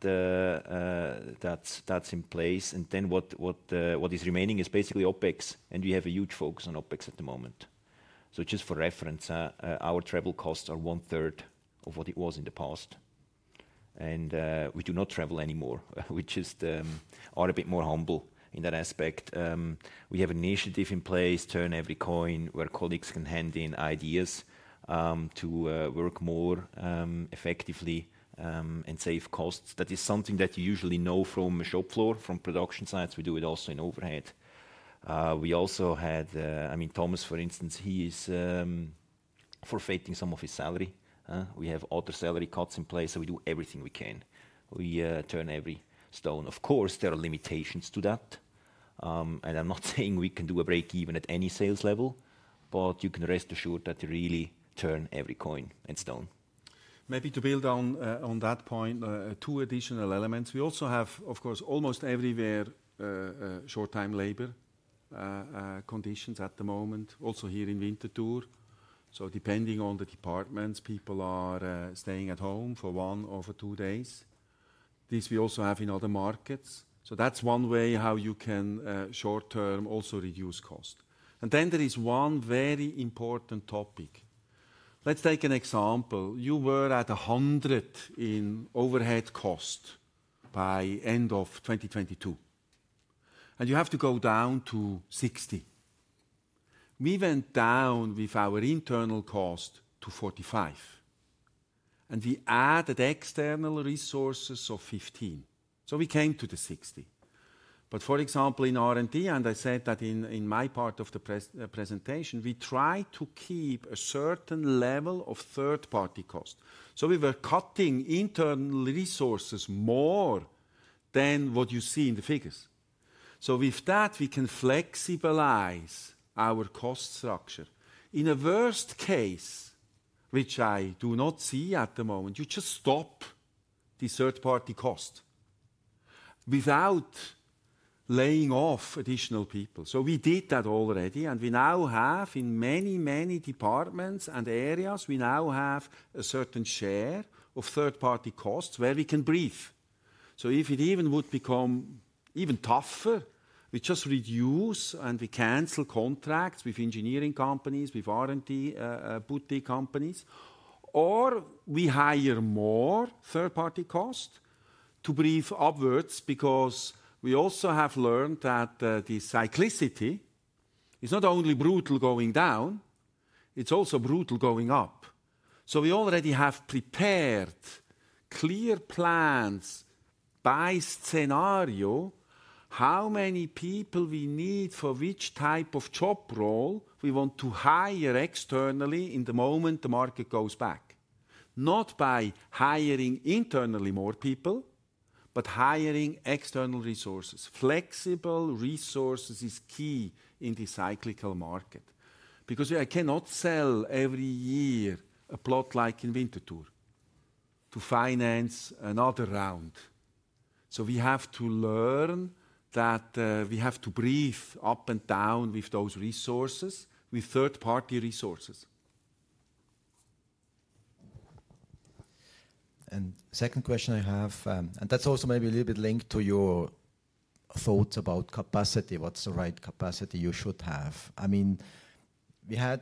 is in place. What is remaining is basically OpEx. We have a huge focus on OpEx at the moment. Just for reference, our travel costs are one-third of what it was in the past. We do not travel anymore, which is a bit more humble in that aspect. We have an initiative in place, turn every coin, where colleagues can hand in ideas to work more effectively and save costs. That is something that you usually know from a shop floor, from production sites. We do it also in overhead. I mean, Thomas, for instance, he is forfeiting some of his salary. We have other salary cuts in place, so we do everything we can. We turn every stone. Of course, there are limitations to that. I'm not saying we can do a break even at any sales level, but you can rest assured that you really turn every coin and stone. Maybe to build on that point, two additional elements. We also have, of course, almost everywhere short-time labor conditions at the moment, also here in Winterthur. Depending on the departments, people are staying at home for one or two days. This we also have in other markets. That is one way how you can short-term also reduce cost. There is one very important topic. Let's take an example. You were at 100 in overhead cost by end of 2022, and you have to go down to 60. We went down with our internal cost to 45, and we added external resources of 15. We came to the 60. For example, in R&D, and I said that in my part of the presentation, we try to keep a certain level of third-party cost. We were cutting internal resources more than what you see in the figures. With that, we can flexibilize our cost structure. In a worst case, which I do not see at the moment, you just stop the third-party cost without laying off additional people. We did that already. We now have in many, many departments and areas, we now have a certain share of third-party costs where we can breathe. If it would become even tougher, we just reduce and we cancel contracts with engineering companies, with R&D, with BUTD companies. Or we hire more third-party cost to breathe upwards because we also have learned that the cyclicity is not only brutal going down, it is also brutal going up. We already have prepared clear plans by scenario how many people we need for which type of job role we want to hire externally in the moment the market goes back. Not by hiring internally more people, but hiring external resources. Flexible resources is key in the cyclical market because I cannot sell every year a plot like in Winterthur to finance another round. We have to learn that we have to breathe up and down with those resources, with third-party resources. Second question I have, and that's also maybe a little bit linked to your thoughts about capacity, what's the right capacity you should have. I mean, we had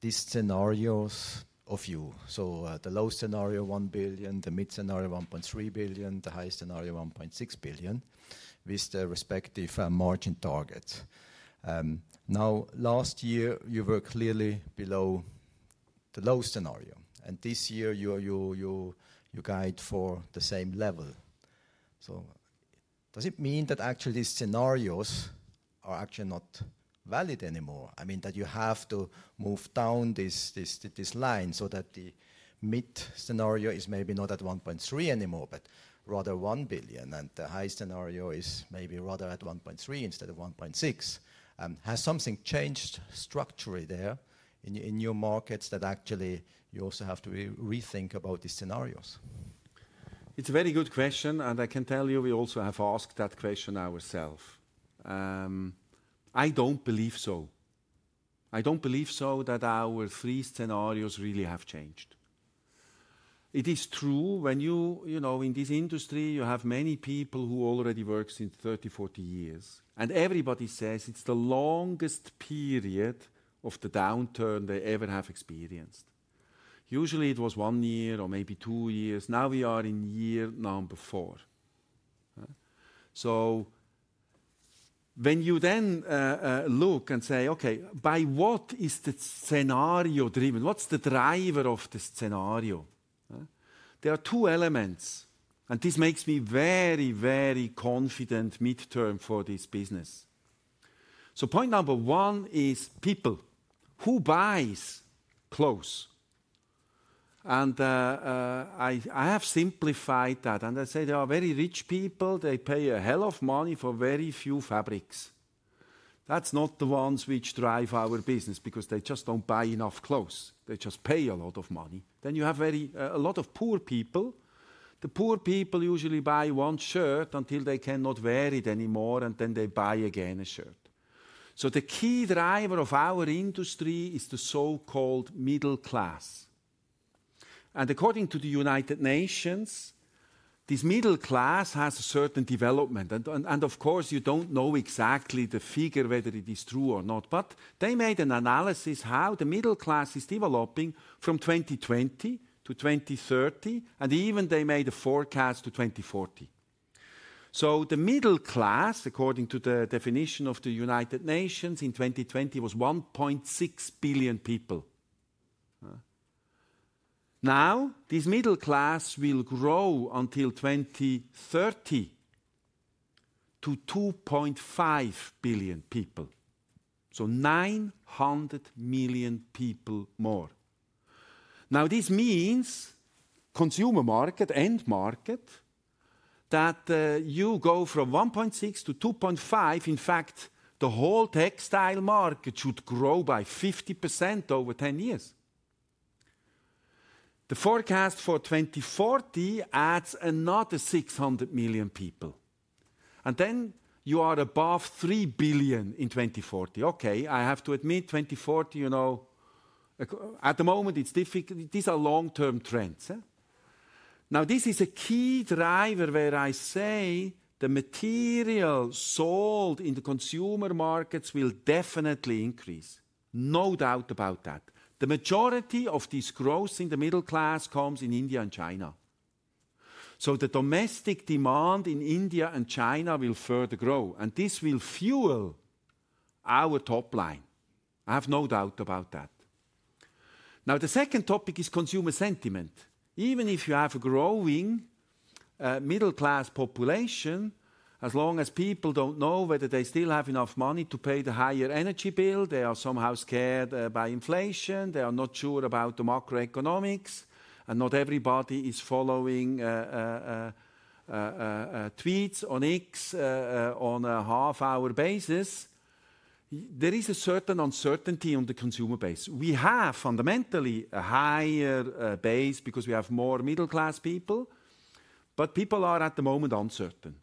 these scenarios of you. The low scenario, 1 billion, the mid scenario, $1.3 billion, the high scenario, 1.6 billion, with the respective margin targets. Last year, you were clearly below the low scenario. This year, you guide for the same level. Does it mean that actually these scenarios are actually not valid anymore? I mean, that you have to move down this line so that the mid scenario is maybe not at 1.3 billion anymore, but rather 1 billion, and the high scenario is maybe rather at 1.3 billion instead of 1.6 billion. Has something changed structurally there in your markets that actually you also have to rethink about these scenarios? It's a very good question, and I can tell you we also have asked that question ourselves. I don't believe so. I don't believe so that our three scenarios really have changed. It is true when you in this industry, you have many people who already worked in 30, 40 years, and everybody says it's the longest period of the downturn they ever have experienced. Usually, it was one year or maybe two years. Now we are in year number four. When you then look and say, okay, by what is the scenario driven? What's the driver of the scenario? There are two elements, and this makes me very, very confident midterm for this business. Point number one is people. Who buys clothes? I have simplified that, and I say there are very rich people. They pay a hell of money for very few fabrics. That's not the ones which drive our business because they just do not buy enough clothes. They just pay a lot of money. You have a lot of poor people. The poor people usually buy one shirt until they cannot wear it anymore, and then they buy again a shirt. The key driver of our industry is the so-called middle class. According to the United Nations, this middle class has a certain development. Of course, you do not know exactly the figure, whether it is true or not. They made an analysis how the middle class is developing from 2020 to 2030, and even they made a forecast to 2040. The middle class, according to the definition of the United Nations in 2020, was 1.6 billion people. Now, this middle class will grow until 2030 to 2.5 billion people, 900 million people more. This means consumer market, end market, that you go from 1.6 to 2.5. In fact, the whole textile market should grow by 50% over 10 years. The forecast for 2040 adds another 600 million people, and then you are above 3 billion in 2040. Okay, I have to admit, 2040, you know, at the moment, it's difficult. These are long-term trends. This is a key driver where I say the material sold in the consumer markets will definitely increase. No doubt about that. The majority of this growth in the middle class comes in India and China. The domestic demand in India and China will further grow, and this will fuel our top line. I have no doubt about that. The second topic is consumer sentiment. Even if you have a growing middle-class population, as long as people do not know whether they still have enough money to pay the higher energy bill, they are somehow scared by inflation, they are not sure about the macroeconomics, and not everybody is following tweets on X on a half-hour basis, there is a certain uncertainty on the consumer base. We have fundamentally a higher base because we have more middle-class people, but people are at the moment uncertain.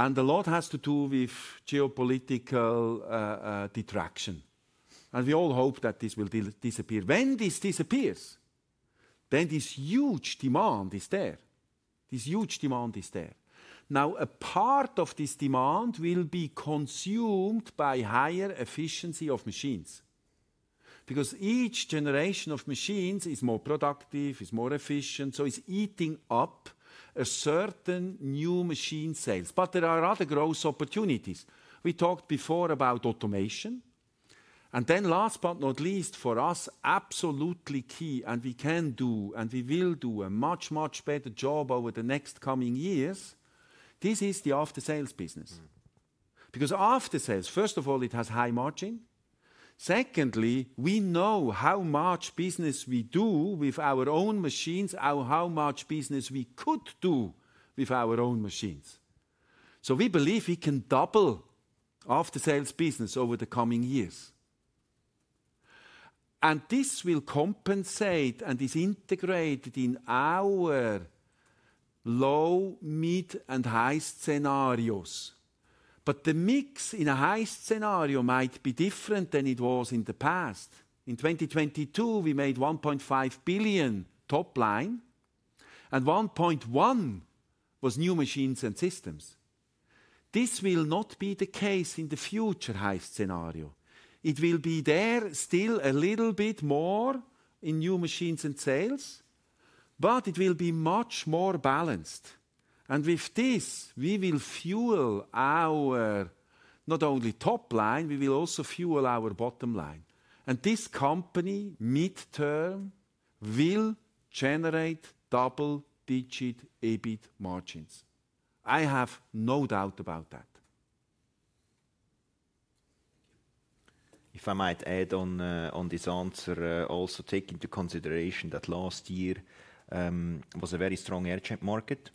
A lot has to do with geopolitical detraction. We all hope that this will disappear. When this disappears, then this huge demand is there. This huge demand is there. Now, a part of this demand will be consumed by higher efficiency of machines because each generation of machines is more productive, is more efficient, so it's eating up a certain new machine sales. There are other growth opportunities. We talked before about automation. Last but not least, for us, absolutely key, and we can do, and we will do a much, much better job over the next coming years, this is the after-sales business. Because after-sales, first of all, it has high margin. Secondly, we know how much business we do with our own machines, how much business we could do with our own machines. We believe we can double after-sales business over the coming years. This will compensate and is integrated in our low, mid, and high scenarios. The mix in a high scenario might be different than it was in the past. In 2022, we made 1.5 billion top line, and 1.1 billion was new machines and systems. This will not be the case in the future high scenario. It will be there still a little bit more in new machines and sales, but it will be much more balanced. With this, we will fuel our not only top line, we will also fuel our bottom line. This company, midterm, will generate double-digit EBIT margins. I have no doubt about that. If I might add on this answer, also take into consideration that last year was a very strong air-jet market,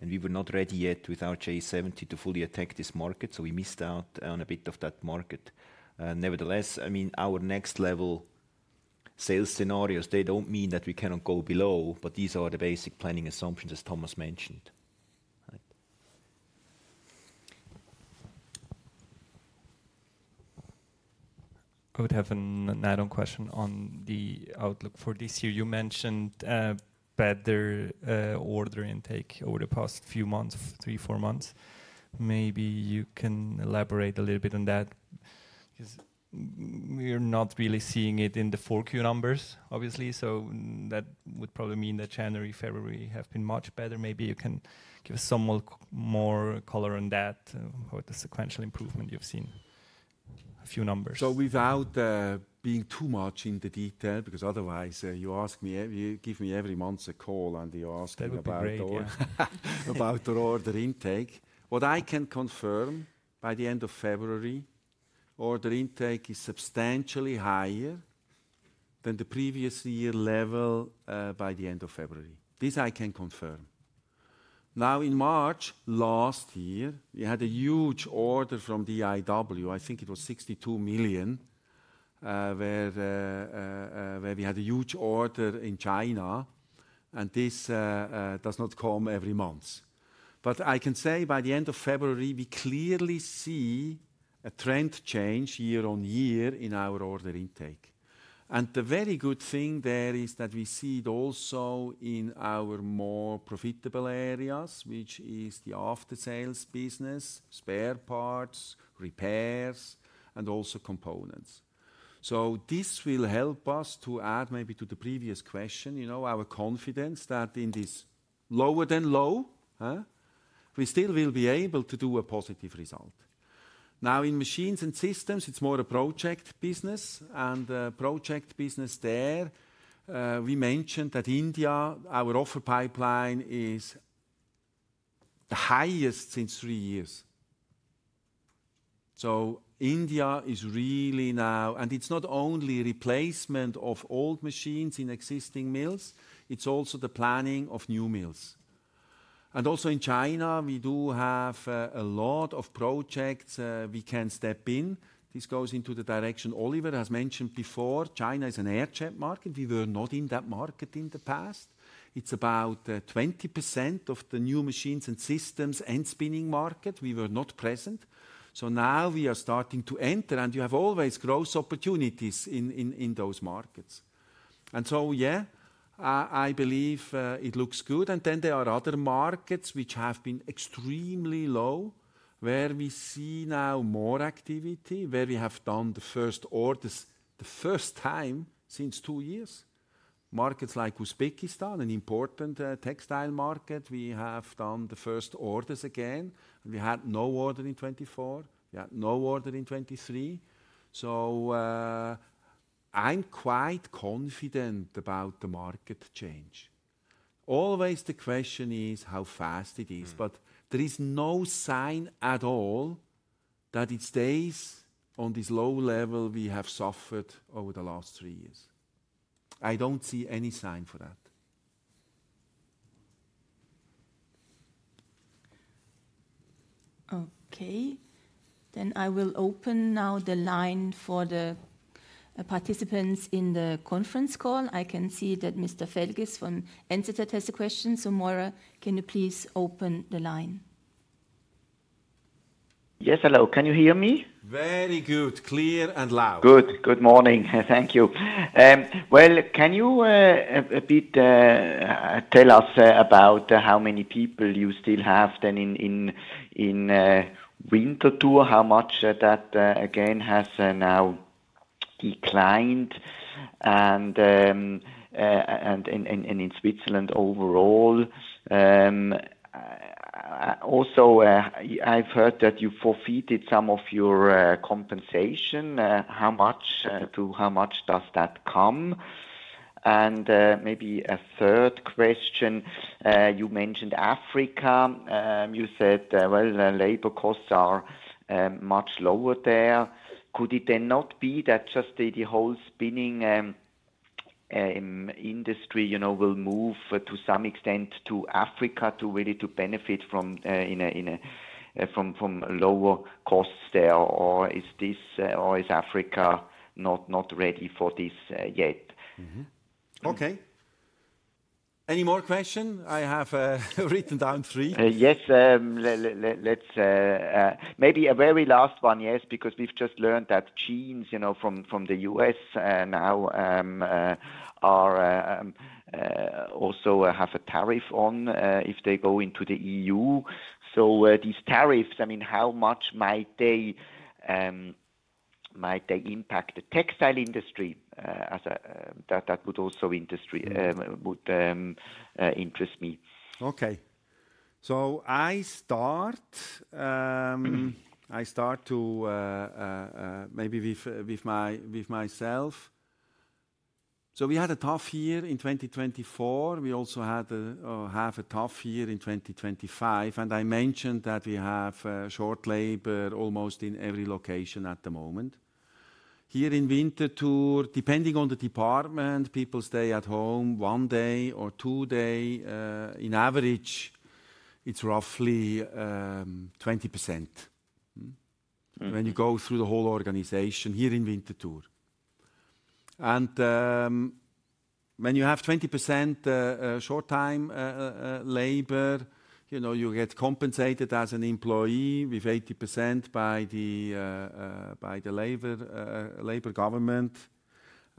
and we were not ready yet with our J70 to fully attack this market, so we missed out on a bit of that market. Nevertheless, I mean, our next-level sales scenarios, they do not mean that we cannot go below, but these are the basic planning assumptions, as Thomas mentioned. I would have an add-on question on the outlook for this year. You mentioned better order intake over the past few months, three, four months. Maybe you can elaborate a little bit on that because we are not really seeing it in the fourth quarter numbers, obviously. That would probably mean that January, February have been much better. Maybe you can give us some more color on that, what the sequential improvement you have seen, a few numbers. Without being too much in the detail, because otherwise you ask me, you give me every month a call and you ask me about your order intake. What I can confirm by the end of February, order intake is substantially higher than the previous year level by the end of February. This I can confirm. Now, in March last year, we had a huge order from DIW. I think it was 62 million where we had a huge order in China, and this does not come every month. I can say by the end of February, we clearly see a trend change year on year in our order intake. The very good thing there is that we see it also in our more profitable areas, which is the after-sales business, spare parts, repairs, and also components. This will help us to add maybe to the previous question, you know, our confidence that in this lower than low, we still will be able to do a positive result. Now, in machines and systems, it's more a project business. The project business there, we mentioned that in India, our offer pipeline is the highest since three years. India is really now, and it's not only replacement of old machines in existing mills, it's also the planning of new mills. Also in China, we do have a lot of projects we can step in. This goes into the direction Oliver has mentioned before. China is an air-jet market. We were not in that market in the past. It's about 20% of the new machines and systems and spinning market. We were not present. Now we are starting to enter, and you have always growth opportunities in those markets. I believe it looks good. There are other markets which have been extremely low where we see now more activity, where we have done the first orders the first time since two years. Markets like Uzbekistan, an important textile market, we have done the first orders again. We had no order in 2024. We had no order in 2023. I am quite confident about the market change. Always the question is how fast it is, but there is no sign at all that it stays on this low level we have suffered over the last three years. I do not see any sign for that. Okay. I will open now the line for the participants in the conference call. I can see that Mr. Fergus [from Entitet] has a question. Maurer, can you please open the line? Yes, hello. Can you hear me? Very good. Clear and loud. Good. Good morning. Thank you. Can you a bit tell us about how many people you still have then in Winterthur, how much that again has now declined, and in Switzerland overall? Also, I have heard that you forfeited some of your compensation. How much does that come? Maybe a third question. You mentioned Africa. You said labor costs are much lower there. Could it then not be that just the whole spinning industry will move to some extent to Africa to really benefit from lower costs there? Or is Africa not ready for this yet? Any more questions? I have written down three. Yes. Maybe a very last one, yes, because we have just learned that jeans from the U.S. now also have a tariff on if they go into the EU. These tariffs, I mean, how much might they impact the textile industry? That would also interest me. Okay. I start maybe with myself. We had a tough year in 2024. We also have a tough year in 2025. I mentioned that we have short labor almost in every location at the moment. Here in Winterthur, depending on the department, people stay at home one day or two days. On average, it is roughly 20% when you go through the whole organization here in Winterthur. When you have 20% short-time labor, you get compensated as an employee with 80% by the labor government.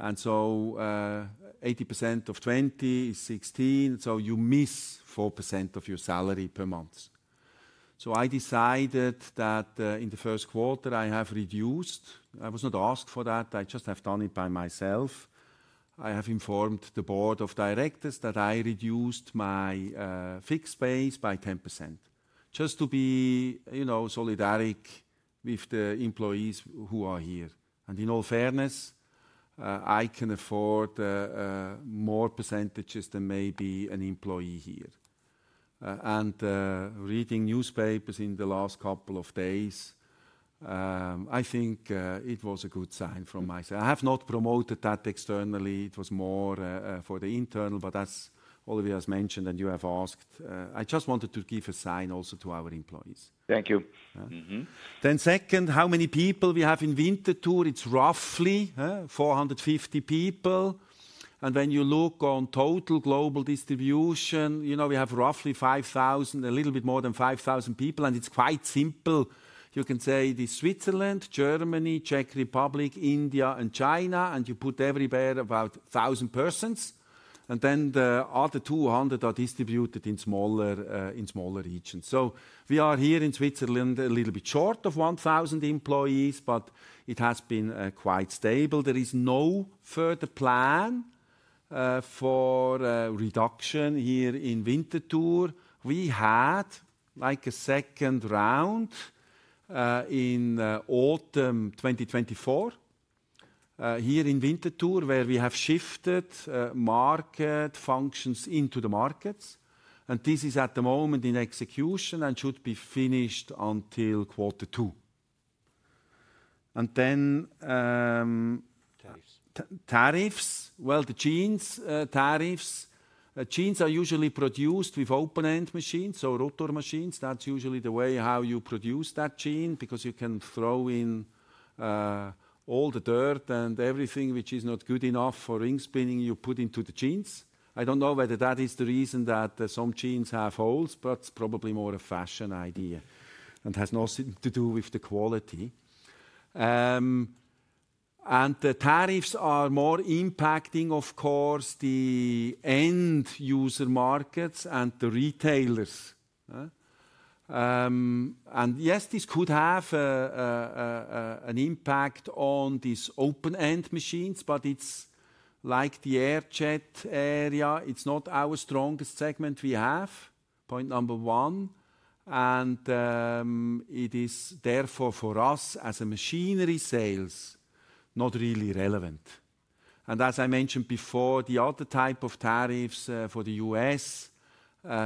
80% of 20 is 16, so you miss 4% of your salary per month. I decided that in the first quarter, I have reduced. I was not asked for that. I just have done it by myself. I have informed the board of directors that I reduced my fixed base by 10% just to be solidaric with the employees who are here. In all fairness, I can afford more percentages than maybe an employee here. Reading newspapers in the last couple of days, I think it was a good sign from my side. I have not promoted that externally. It was more for the internal, but as Oliver has mentioned and you have asked, I just wanted to give a sign also to our employees. Thank you. Second, how many people we have in Winterthur? It's roughly 450 people. When you look on total global distribution, we have roughly 5,000, a little bit more than 5,000 people. It's quite simple. You can say this is Switzerland, Germany, Czech Republic, India, and China, and you put everywhere about 1,000 persons. The other 200 are distributed in smaller regions. We are here in Switzerland a little bit short of 1,000 employees, but it has been quite stable. There is no further plan for reduction here in Winterthur. We had a second round in autumn 2024 here in Winterthur where we have shifted market functions into the markets. This is at the moment in execution and should be finished until quarter two. Tariffs. Tariffs. The jeans tariffs. Jeans are usually produced with open-end machines, so rotor machines. That is usually the way how you produce that jean because you can throw in all the dirt and everything which is not good enough for ring spinning you put into the jeans. I don't know whether that is the reason that some jeans have holes, but it's probably more a fashion idea and has nothing to do with the quality. The tariffs are more impacting, of course, the end user markets and the retailers. Yes, this could have an impact on these open-end machines, but it's like the air-jet area. It's not our strongest segment we have, point number one. It is therefore for us as a machinery sales, not really relevant. As I mentioned before, the other type of tariffs for the U.S.,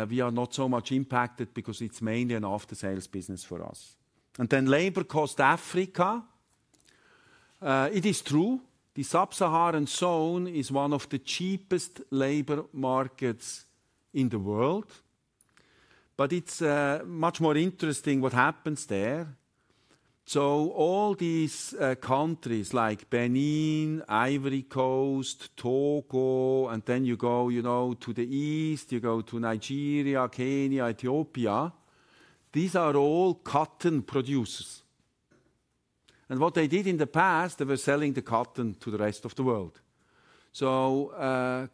we are not so much impacted because it's mainly an after-sales business for us. Labor cost Africa. It is true. The Sub-Saharan Zone is one of the cheapest labor markets in the world, but it's much more interesting what happens there. All these countries like Benin, Ivory Coast, Togo, and then you go to the east, you go to Nigeria, Kenya, Ethiopia, these are all cotton producers. What they did in the past, they were selling the cotton to the rest of the world.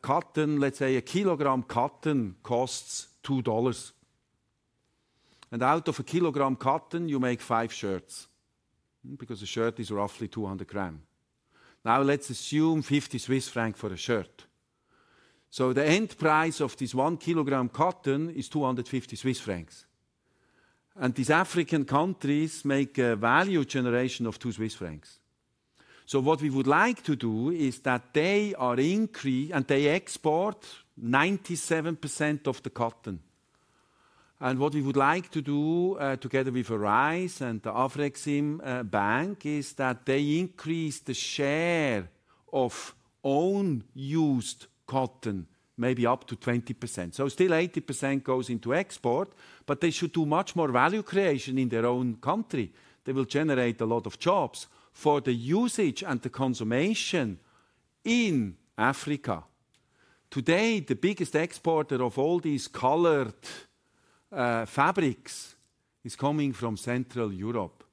Cotton, let's say a kilogram cotton costs $2. Out of a kilogram cotton, you make five shirts because a shirt is roughly 200 grams. Now let's assume 50 Swiss francs for a shirt. The end price of this one kilogram cotton is 250 Swiss francs. These African countries make a value generation of 2 Swiss francs. What we would like to do is that they are increasing and they export 97% of the cotton. What we would like to do together with ARISE and the Afrexim Bank is that they increase the share of own used cotton, maybe up to 20%. Still, 80% goes into export, but they should do much more value creation in their own country. They will generate a lot of jobs for the usage and the consummation in Africa. Today, the biggest exporter of all these colored fabrics is coming from Central Europe.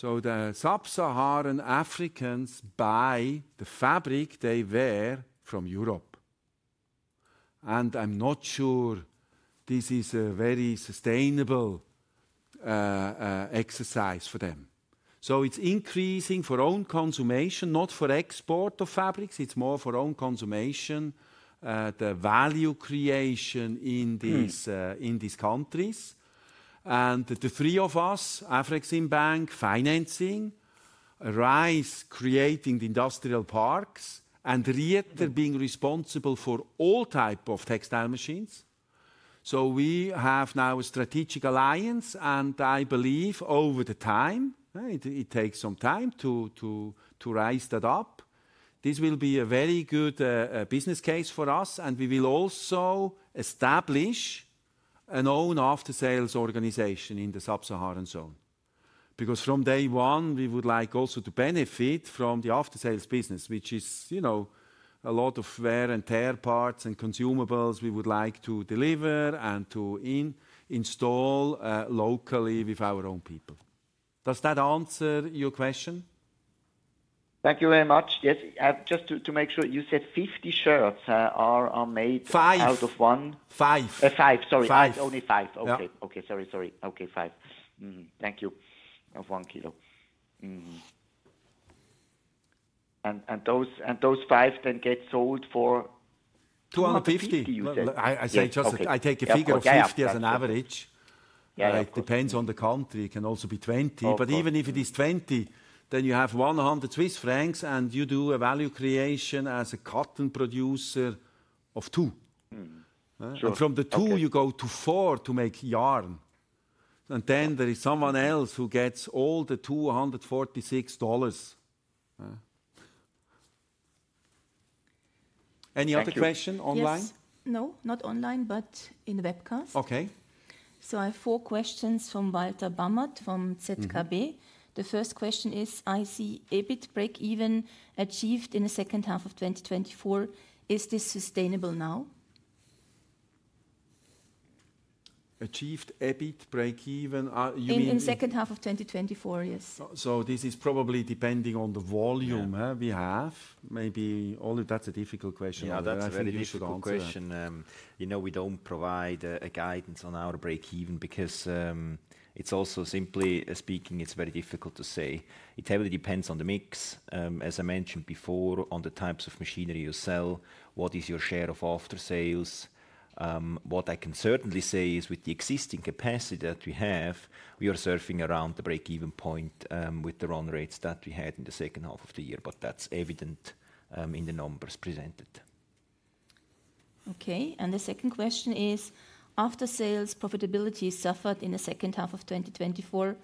The Sub-Saharan Africans buy the fabric they wear from Europe. I'm not sure this is a very sustainable exercise for them. It is increasing for own consummation, not for export of fabrics. It is more for own consummation, the value creation in these countries. The three of us, Afrexim Bank financing, ARISE creating the industrial parks, and Rieter being responsible for all type of textile machines. We have now a strategic alliance, and I believe over the time, it takes some time to rise that up. This will be a very good business case for us, and we will also establish an own after-sales organization in the Sub-Saharan Zone. Because from day one, we would like also to benefit from the after-sales business, which is a lot of wear and tear parts and consumables we would like to deliver and to install locally with our own people. Does that answer your question? Thank you very much. Yes. Just to make sure, you said 50 shirts are made out of one? Five. Five. Sorry, only five. Okay. Okay. Sorry. Sorry. Okay. Five. Thank you. Of one kilo. And those five then get sold for 250, you said? I take a figure of 50 as an average. It depends on the country. It can also be 20. Even if it is 20, then you have 100 Swiss francs, and you do a value creation as a cotton producer of two. From the two, you go to four to make yarn. Then there is someone else who gets all the $246. Any other question online? Yes. No, not online, but in the webcast. I have four questions from Walter Bammert from ZKB. The first question is, I see EBIT break-even achieved in the second half of 2024. Is this sustainable now? Achieved EBIT break-even, you mean? In the second half of 2024, yes. This is probably depending on the volume we have. Maybe Oliver, that's a difficult question. Yeah, that's a very difficult question. You know, we don't provide a guidance on our break-even because it's also simply speaking, it's very difficult to say. It heavily depends on the mix. As I mentioned before, on the types of machinery you sell, what is your share of after-sales? What I can certainly say is with the existing capacity that we have, we are surfing around the break-even point with the run rates that we had in the second half of the year, but that is evident in the numbers presented. Okay. The second question is, after-sales profitability suffered in the second half of 2024.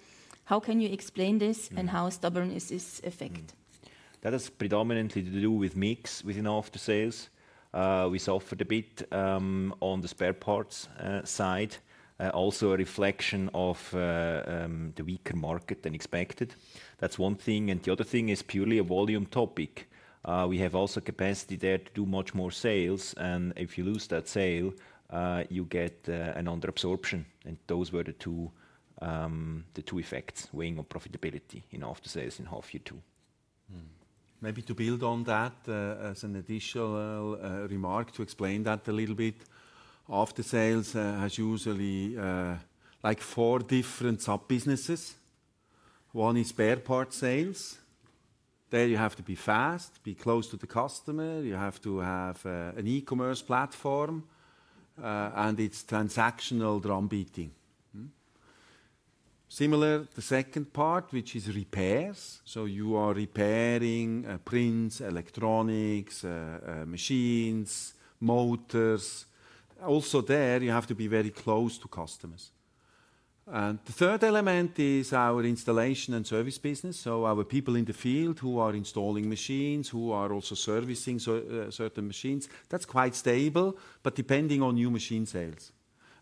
How can you explain this and how stubborn is this effect? That has predominantly to do with mix within after-sales. We suffered a bit on the spare parts side, also a reflection of the weaker market than expected. That is one thing. The other thing is purely a volume topic. We have also capacity there to do much more sales. If you lose that sale, you get an under-absorption. Those were the two effects weighing on profitability in after-sales in half year two. Maybe to build on that as an additional remark to explain that a little bit, after-sales has usually like four different sub-businesses. One is spare part sales. There you have to be fast, be close to the customer. You have to have an e-commerce platform, and it's transactional drum beating. Similar, the second part, which is repairs. You are repairing prints, electronics, machines, motors. Also there, you have to be very close to customers. The third element is our installation and service business. Our people in the field who are installing machines, who are also servicing certain machines, that's quite stable, but depending on new machine sales.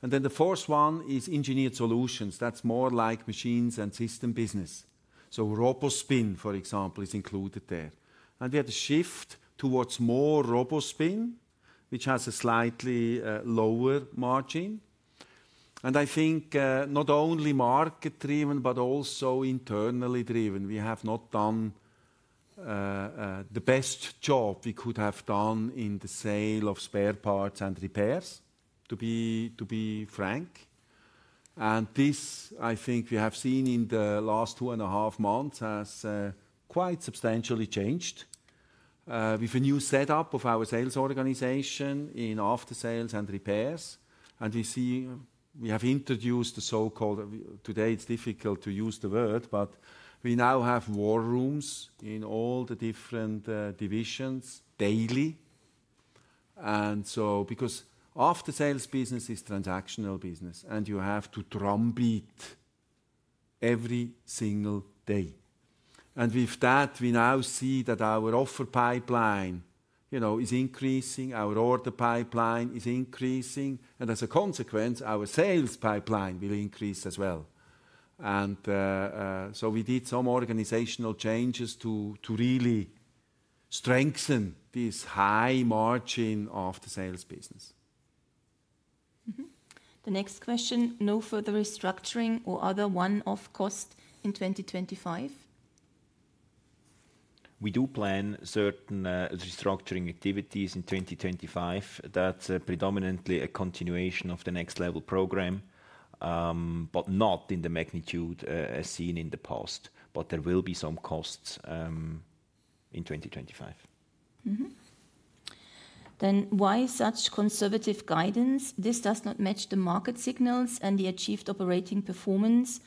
The fourth one is engineered solutions. That's more like machines and system business. ROBOspin, for example, is included there. We had a shift towards more ROBOspin, which has a slightly lower margin. I think not only market-driven, but also internally driven. We have not done the best job we could have done in the sale of spare parts and repairs, to be frank. I think we have seen in the last two and a half months this has quite substantially changed with a new setup of our sales organization in after-sales and repairs. We see we have introduced the so-called, today it is difficult to use the word, but we now have war rooms in all the different divisions daily. Because after-sales business is transactional business, you have to drum beat every single day. With that, we now see that our offer pipeline is increasing, our order pipeline is increasing, and as a consequence, our sales pipeline will increase as well. We did some organizational changes to really strengthen this high margin of the sales business. The next question, no further restructuring or other one-off cost in 2025? We do plan certain restructuring activities in 2025. That is predominantly a continuation of the next-level program, but not in the magnitude as seen in the past. There will be some costs in 2025. Why such conservative guidance? This does not match the market signals and the achieved operating performance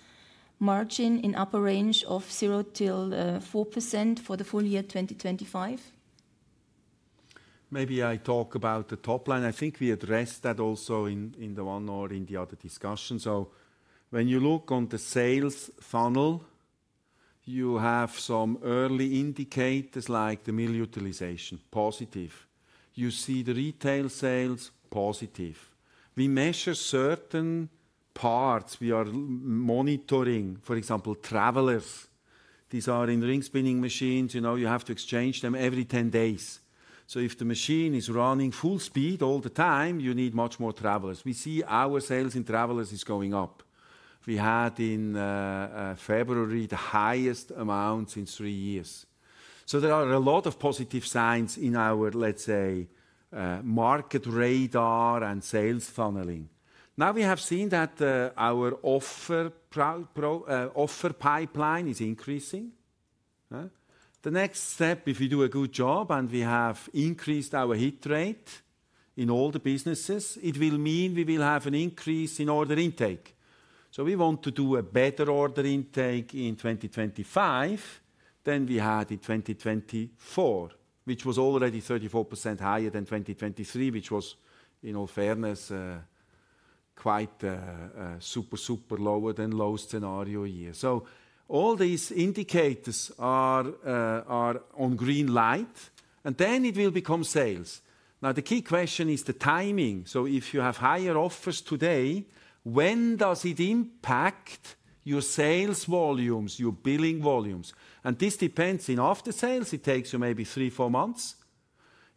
margin in upper range of 0-4% for the full year 2025. Maybe I talk about the top line. I think we addressed that also in the one or in the other discussion. When you look on the sales funnel, you have some early indicators like the mill utilization, positive. You see the retail sales, positive. We measure certain parts. We are monitoring, for example, travelers. These are in ring spinning machines. You have to exchange them every 10 days. If the machine is running full speed all the time, you need much more travelers. We see our sales in travelers is going up. We had in February the highest amount since three years. There are a lot of positive signs in our, let's say, market radar and sales funneling. Now we have seen that our offer pipeline is increasing. The next step, if we do a good job and we have increased our hit rate in all the businesses, it will mean we will have an increase in order intake. We want to do a better order intake in 2025 than we had in 2024, which was already 34% higher than 2023, which was, in all fairness, quite a super, super lower than low scenario year. All these indicators are on green light, and then it will become sales. Now, the key question is the timing. If you have higher offers today, when does it impact your sales volumes, your billing volumes? This depends. In after-sales, it takes you maybe three, four months.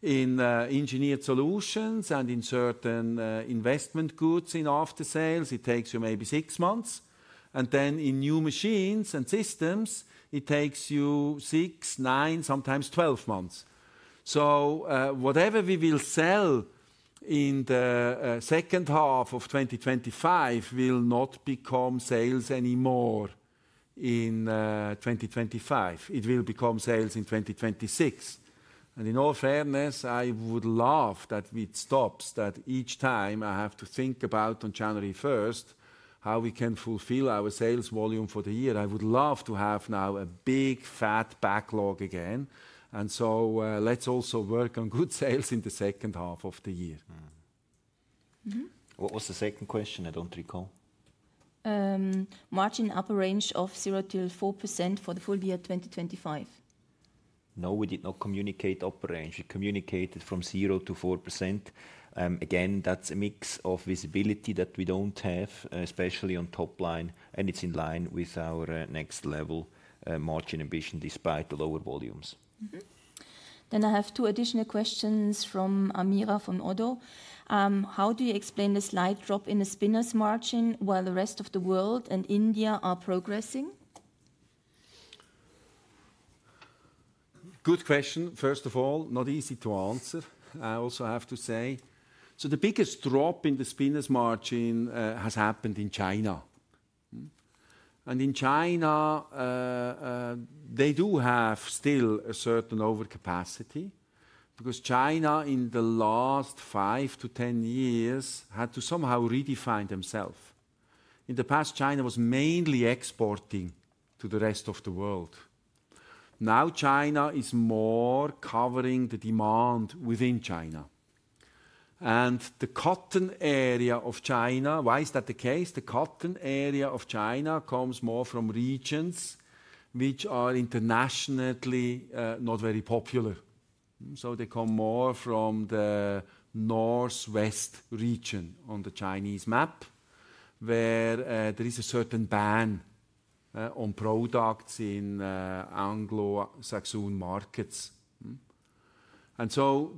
In engineered solutions and in certain investment goods in after-sales, it takes you maybe six months. In new machines and systems, it takes you six, nine, sometimes twelve months. Whatever we will sell in the second half of 2025 will not become sales anymore in 2025. It will become sales in 2026. In all fairness, I would love that it stops that each time I have to think about on January 1 how we can fulfill our sales volume for the year. I would love to have now a big fat backlog again. Let's also work on good sales in the second half of the year. What was the second question? I don't recall. Margin upper range of 0-4% for the full year 2025. No, we did not communicate upper range. We communicated from 0-4%. Again, that's a mix of visibility that we don't have, especially on top line. It's in line with our next level margin ambition despite the lower volumes. I have two additional questions from Amira from Oddo. How do you explain the slight drop in the spinners' margin while the rest of the world and India are progressing? Good question. First of all, not easy to answer. I also have to say, the biggest drop in the spinners' margin has happened in China. In China, they do have still a certain overcapacity because China in the last five to ten years had to somehow redefine themself. In the past, China was mainly exporting to the rest of the world. Now China is more covering the demand within China. The cotton area of China, why is that the case? The cotton area of China comes more from regions which are internationally not very popular. They come more from the northwest region on the Chinese map, where there is a certain ban on products in Anglo-Saxon markets.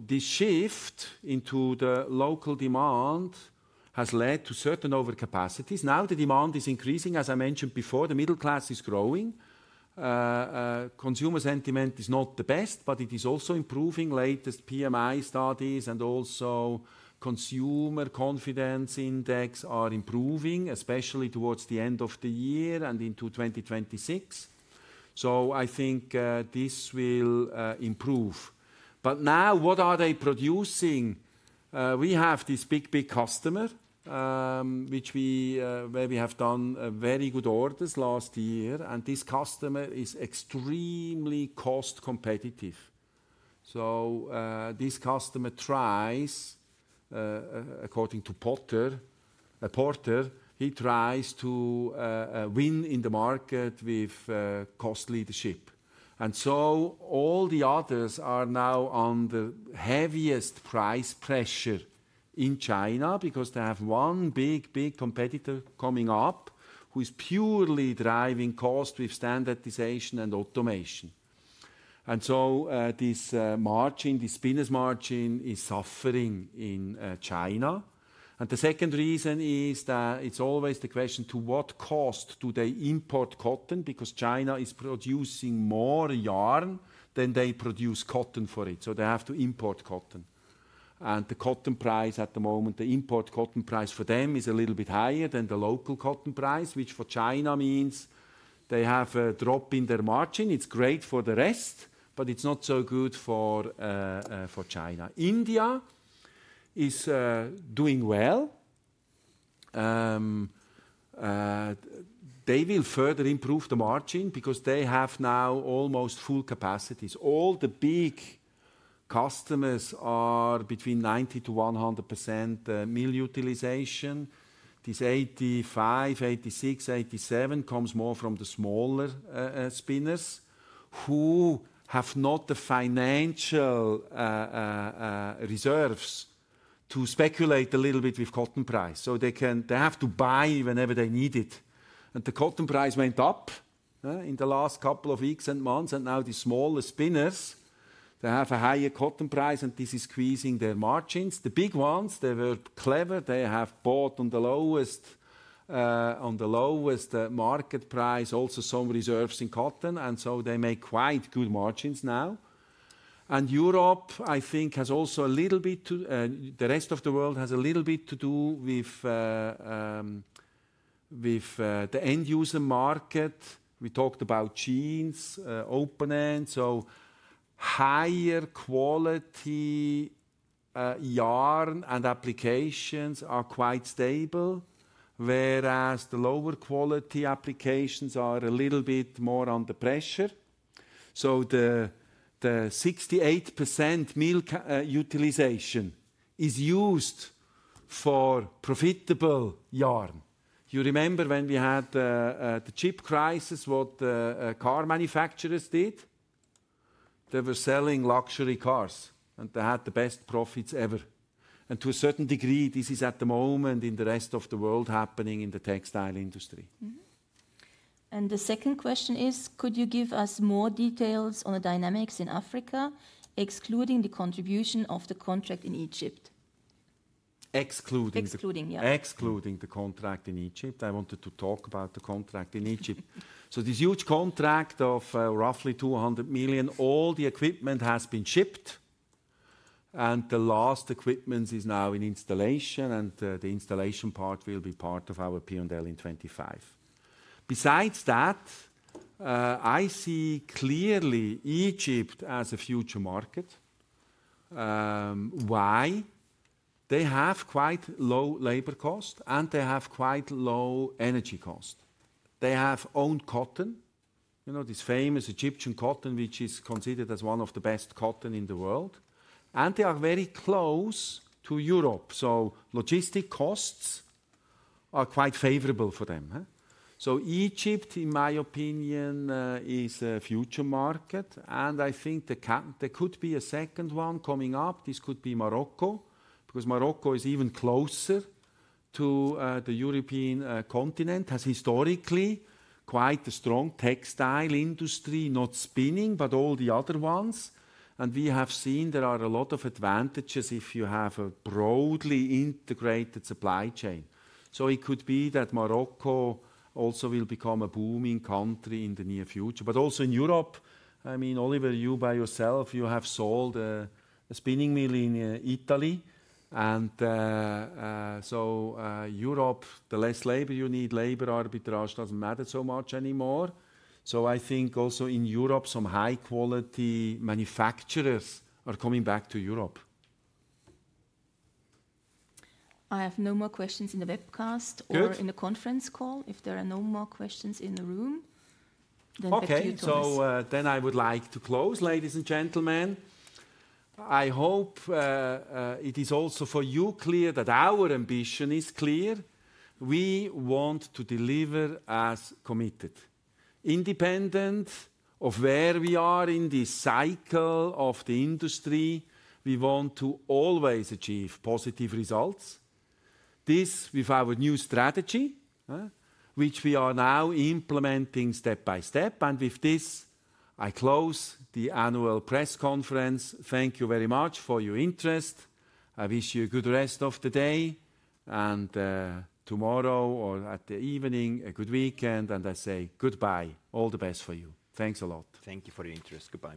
This shift into the local demand has led to certain overcapacities. Now the demand is increasing. As I mentioned before, the middle class is growing. Consumer sentiment is not the best, but it is also improving. Latest PMI studies and also consumer confidence index are improving, especially towards the end of the year and into 2026. I think this will improve. What are they producing? We have this big, big customer, which we have done very good orders last year. This customer is extremely cost competitive. This customer tries, according to Porter, he tries to win in the market with cost leadership. All the others are now under heaviest price pressure in China because they have one big, big competitor coming up who is purely driving cost with standardization and automation. This margin, this spinners' margin is suffering in China. The second reason is that it's always the question to what cost do they import cotton? China is producing more yarn than they produce cotton for it. They have to import cotton. The cotton price at the moment, the import cotton price for them is a little bit higher than the local cotton price, which for China means they have a drop in their margin. It's great for the rest, but it's not so good for China. India is doing well. They will further improve the margin because they have now almost full capacities. All the big customers are between 90-100% mill utilization. This 85, 86, 87 comes more from the smaller spinners who have not the financial reserves to speculate a little bit with cotton price. They have to buy whenever they need it. The cotton price went up in the last couple of weeks and months. Now the smaller spinners, they have a higher cotton price, and this is squeezing their margins. The big ones, they were clever. They have bought on the lowest market price, also some reserves in cotton. They make quite good margins now. Europe, I think, has also a little bit to the rest of the world, has a little bit to do with the end user market. We talked about jeans, open end. Higher quality yarn and applications are quite stable, whereas the lower quality applications are a little bit more under pressure. The 68% mill utilization is used for profitable yarn. You remember when we had the chip crisis, what car manufacturers did? They were selling luxury cars, and they had the best profits ever. To a certain degree, this is at the moment in the rest of the world happening in the textile industry. The second question is, could you give us more details on the dynamics in Africa, excluding the contribution of the contract in Egypt? Excluding the contract in Egypt. I wanted to talk about the contract in Egypt. This huge contract of roughly 200 million, all the equipment has been shipped. The last equipment is now in installation, and the installation part will be part of our P&L in 2025. Besides that, I see clearly Egypt as a future market. Why? They have quite low labor costs, and they have quite low energy costs. They have their own cotton, you know, this famous Egyptian cotton, which is considered as one of the best cotton in the world. They are very close to Europe. Logistic costs are quite favorable for them. Egypt, in my opinion, is a future market. I think there could be a second one coming up. This could be Morocco because Morocco is even closer to the European continent, has historically quite a strong textile industry, not spinning, but all the other ones. We have seen there are a lot of advantages if you have a broadly integrated supply chain. It could be that Morocco also will become a booming country in the near future. Also in Europe, I mean, Oliver, you by yourself, you have sold a spinning mill in Italy. Europe, the less labor you need, labor arbitrage does not matter so much anymore. I think also in Europe, some high-quality manufacturers are coming back to Europe. I have no more questions in the webcast or in the conference call. If there are no more questions in the room, thank you too. Okay, I would like to close, ladies and gentlemen. I hope it is also for you clear that our ambition is clear. We want to deliver as committed. Independent of where we are in this cycle of the industry, we want to always achieve positive results. This with our new strategy, which we are now implementing step by step. With this, I close the annual press conference. Thank you very much for your interest. I wish you a good rest of the day and tomorrow or at the evening, a good weekend. I say goodbye. All the best for you. Thanks a lot. Thank you for your interest.